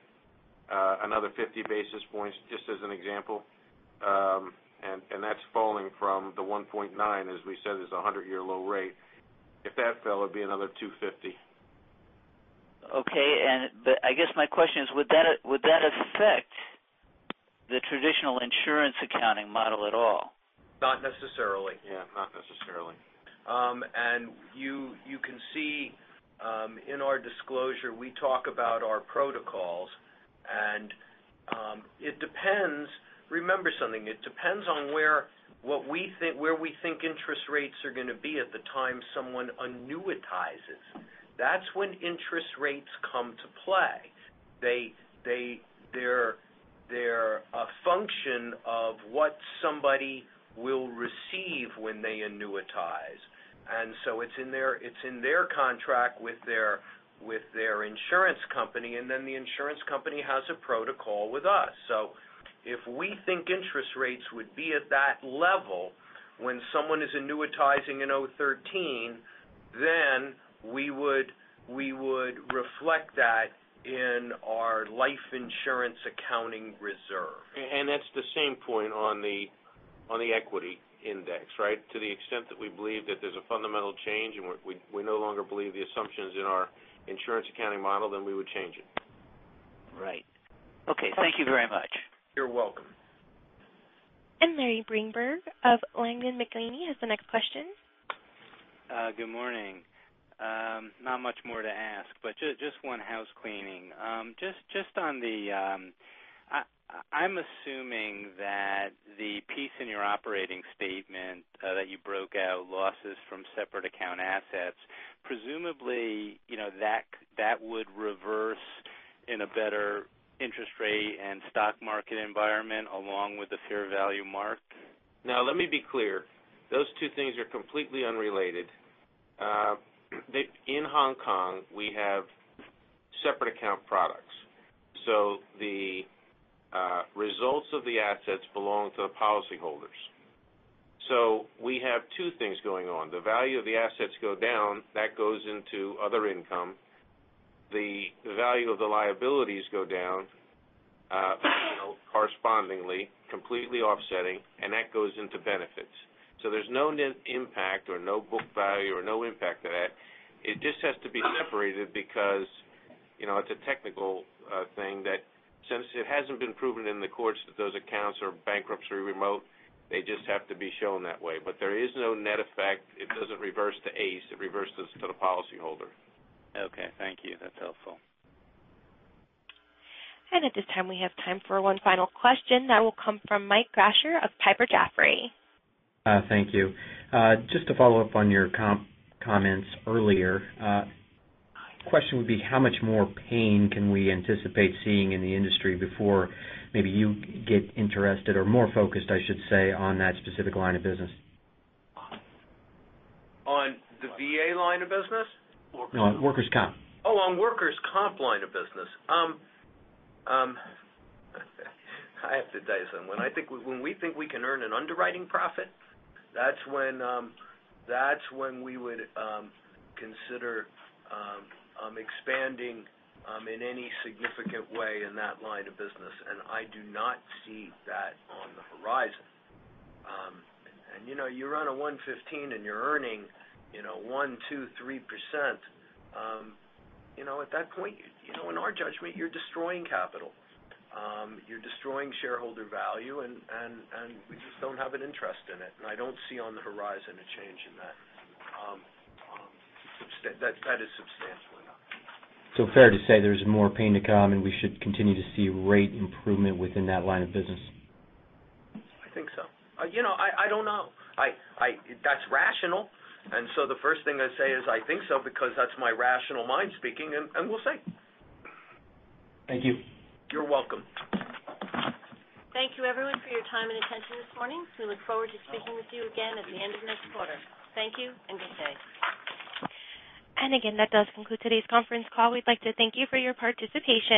another 50 basis points, just as an example, and that's falling from the 1.9, as we said, is a 100-year low rate. If that fell, it'd be another $250. Okay. I guess my question is, would that affect the traditional insurance accounting model at all? Not necessarily. Not necessarily. You can see in our disclosure, we talk about our protocols, and it depends. Remember something, it depends on where we think interest rates are going to be at the time someone annuitizes. That's when interest rates come to play. They're a function of what somebody will receive when they annuitize. It's in their contract with their insurance company, and then the insurance company has a protocol with us. If we think interest rates would be at that level when someone is annuitizing in 2013, then we would reflect that in our life insurance accounting reserve. That's the same point on the equity index, right? To the extent that we believe that there's a fundamental change and we no longer believe the assumptions in our insurance accounting model, then we would change it. Right. Okay. Thank you very much. You're welcome. Larry Greenberg of Langen McAlenney has the next question. Good morning. Not much more to ask, but just one house cleaning. I'm assuming that the piece in your operating statement that you broke out losses from separate account assets, presumably, that would reverse in a better interest rate and stock market environment along with the fair value mark. Let me be clear. Those two things are completely unrelated. In Hong Kong, we have separate account products. The results of the assets belong to the policyholders. We have two things going on. The value of the assets go down, that goes into other income. The value of the liabilities go down correspondingly, completely offsetting, and that goes into benefits. There's no net impact or no book value or no impact to that. It just has to be separated because it's a technical thing that since it hasn't been proven in the courts that those accounts are bankruptcy remote, they just have to be shown that way. There is no net effect. It doesn't reverse to ACE. It reverses to the policyholder. Okay. Thank you. That's helpful. At this time, we have time for one final question. That will come from Michael Grasher of Piper Jaffray. Thank you. Just to follow up on your comments earlier. Question would be, how much more pain can we anticipate seeing in the industry before maybe you get interested or more focused, I should say, on that specific line of business? On the VA line of business? Workers' comp. Oh, on workers' comp line of business. I have to tell you something. When we think we can earn an underwriting profit, that's when we would consider expanding in any significant way in that line of business. I do not see that on the horizon. You run a 115 and you're earning 1%, 2%, 3%, at that point, in our judgment, you're destroying capital. You're destroying shareholder value, and we just don't have an interest in it. I don't see on the horizon a change in that. That is substantial enough. Fair to say there's more pain to come, and we should continue to see rate improvement within that line of business? I think so. I don't know. That's rational. The first thing I say is I think so, because that's my rational mind speaking, and we'll see. Thank you. You're welcome. Thank you everyone for your time and attention this morning. We look forward to speaking with you again at the end of next quarter. Thank you and good day. Again, that does conclude today's conference call. We'd like to thank you for your participation.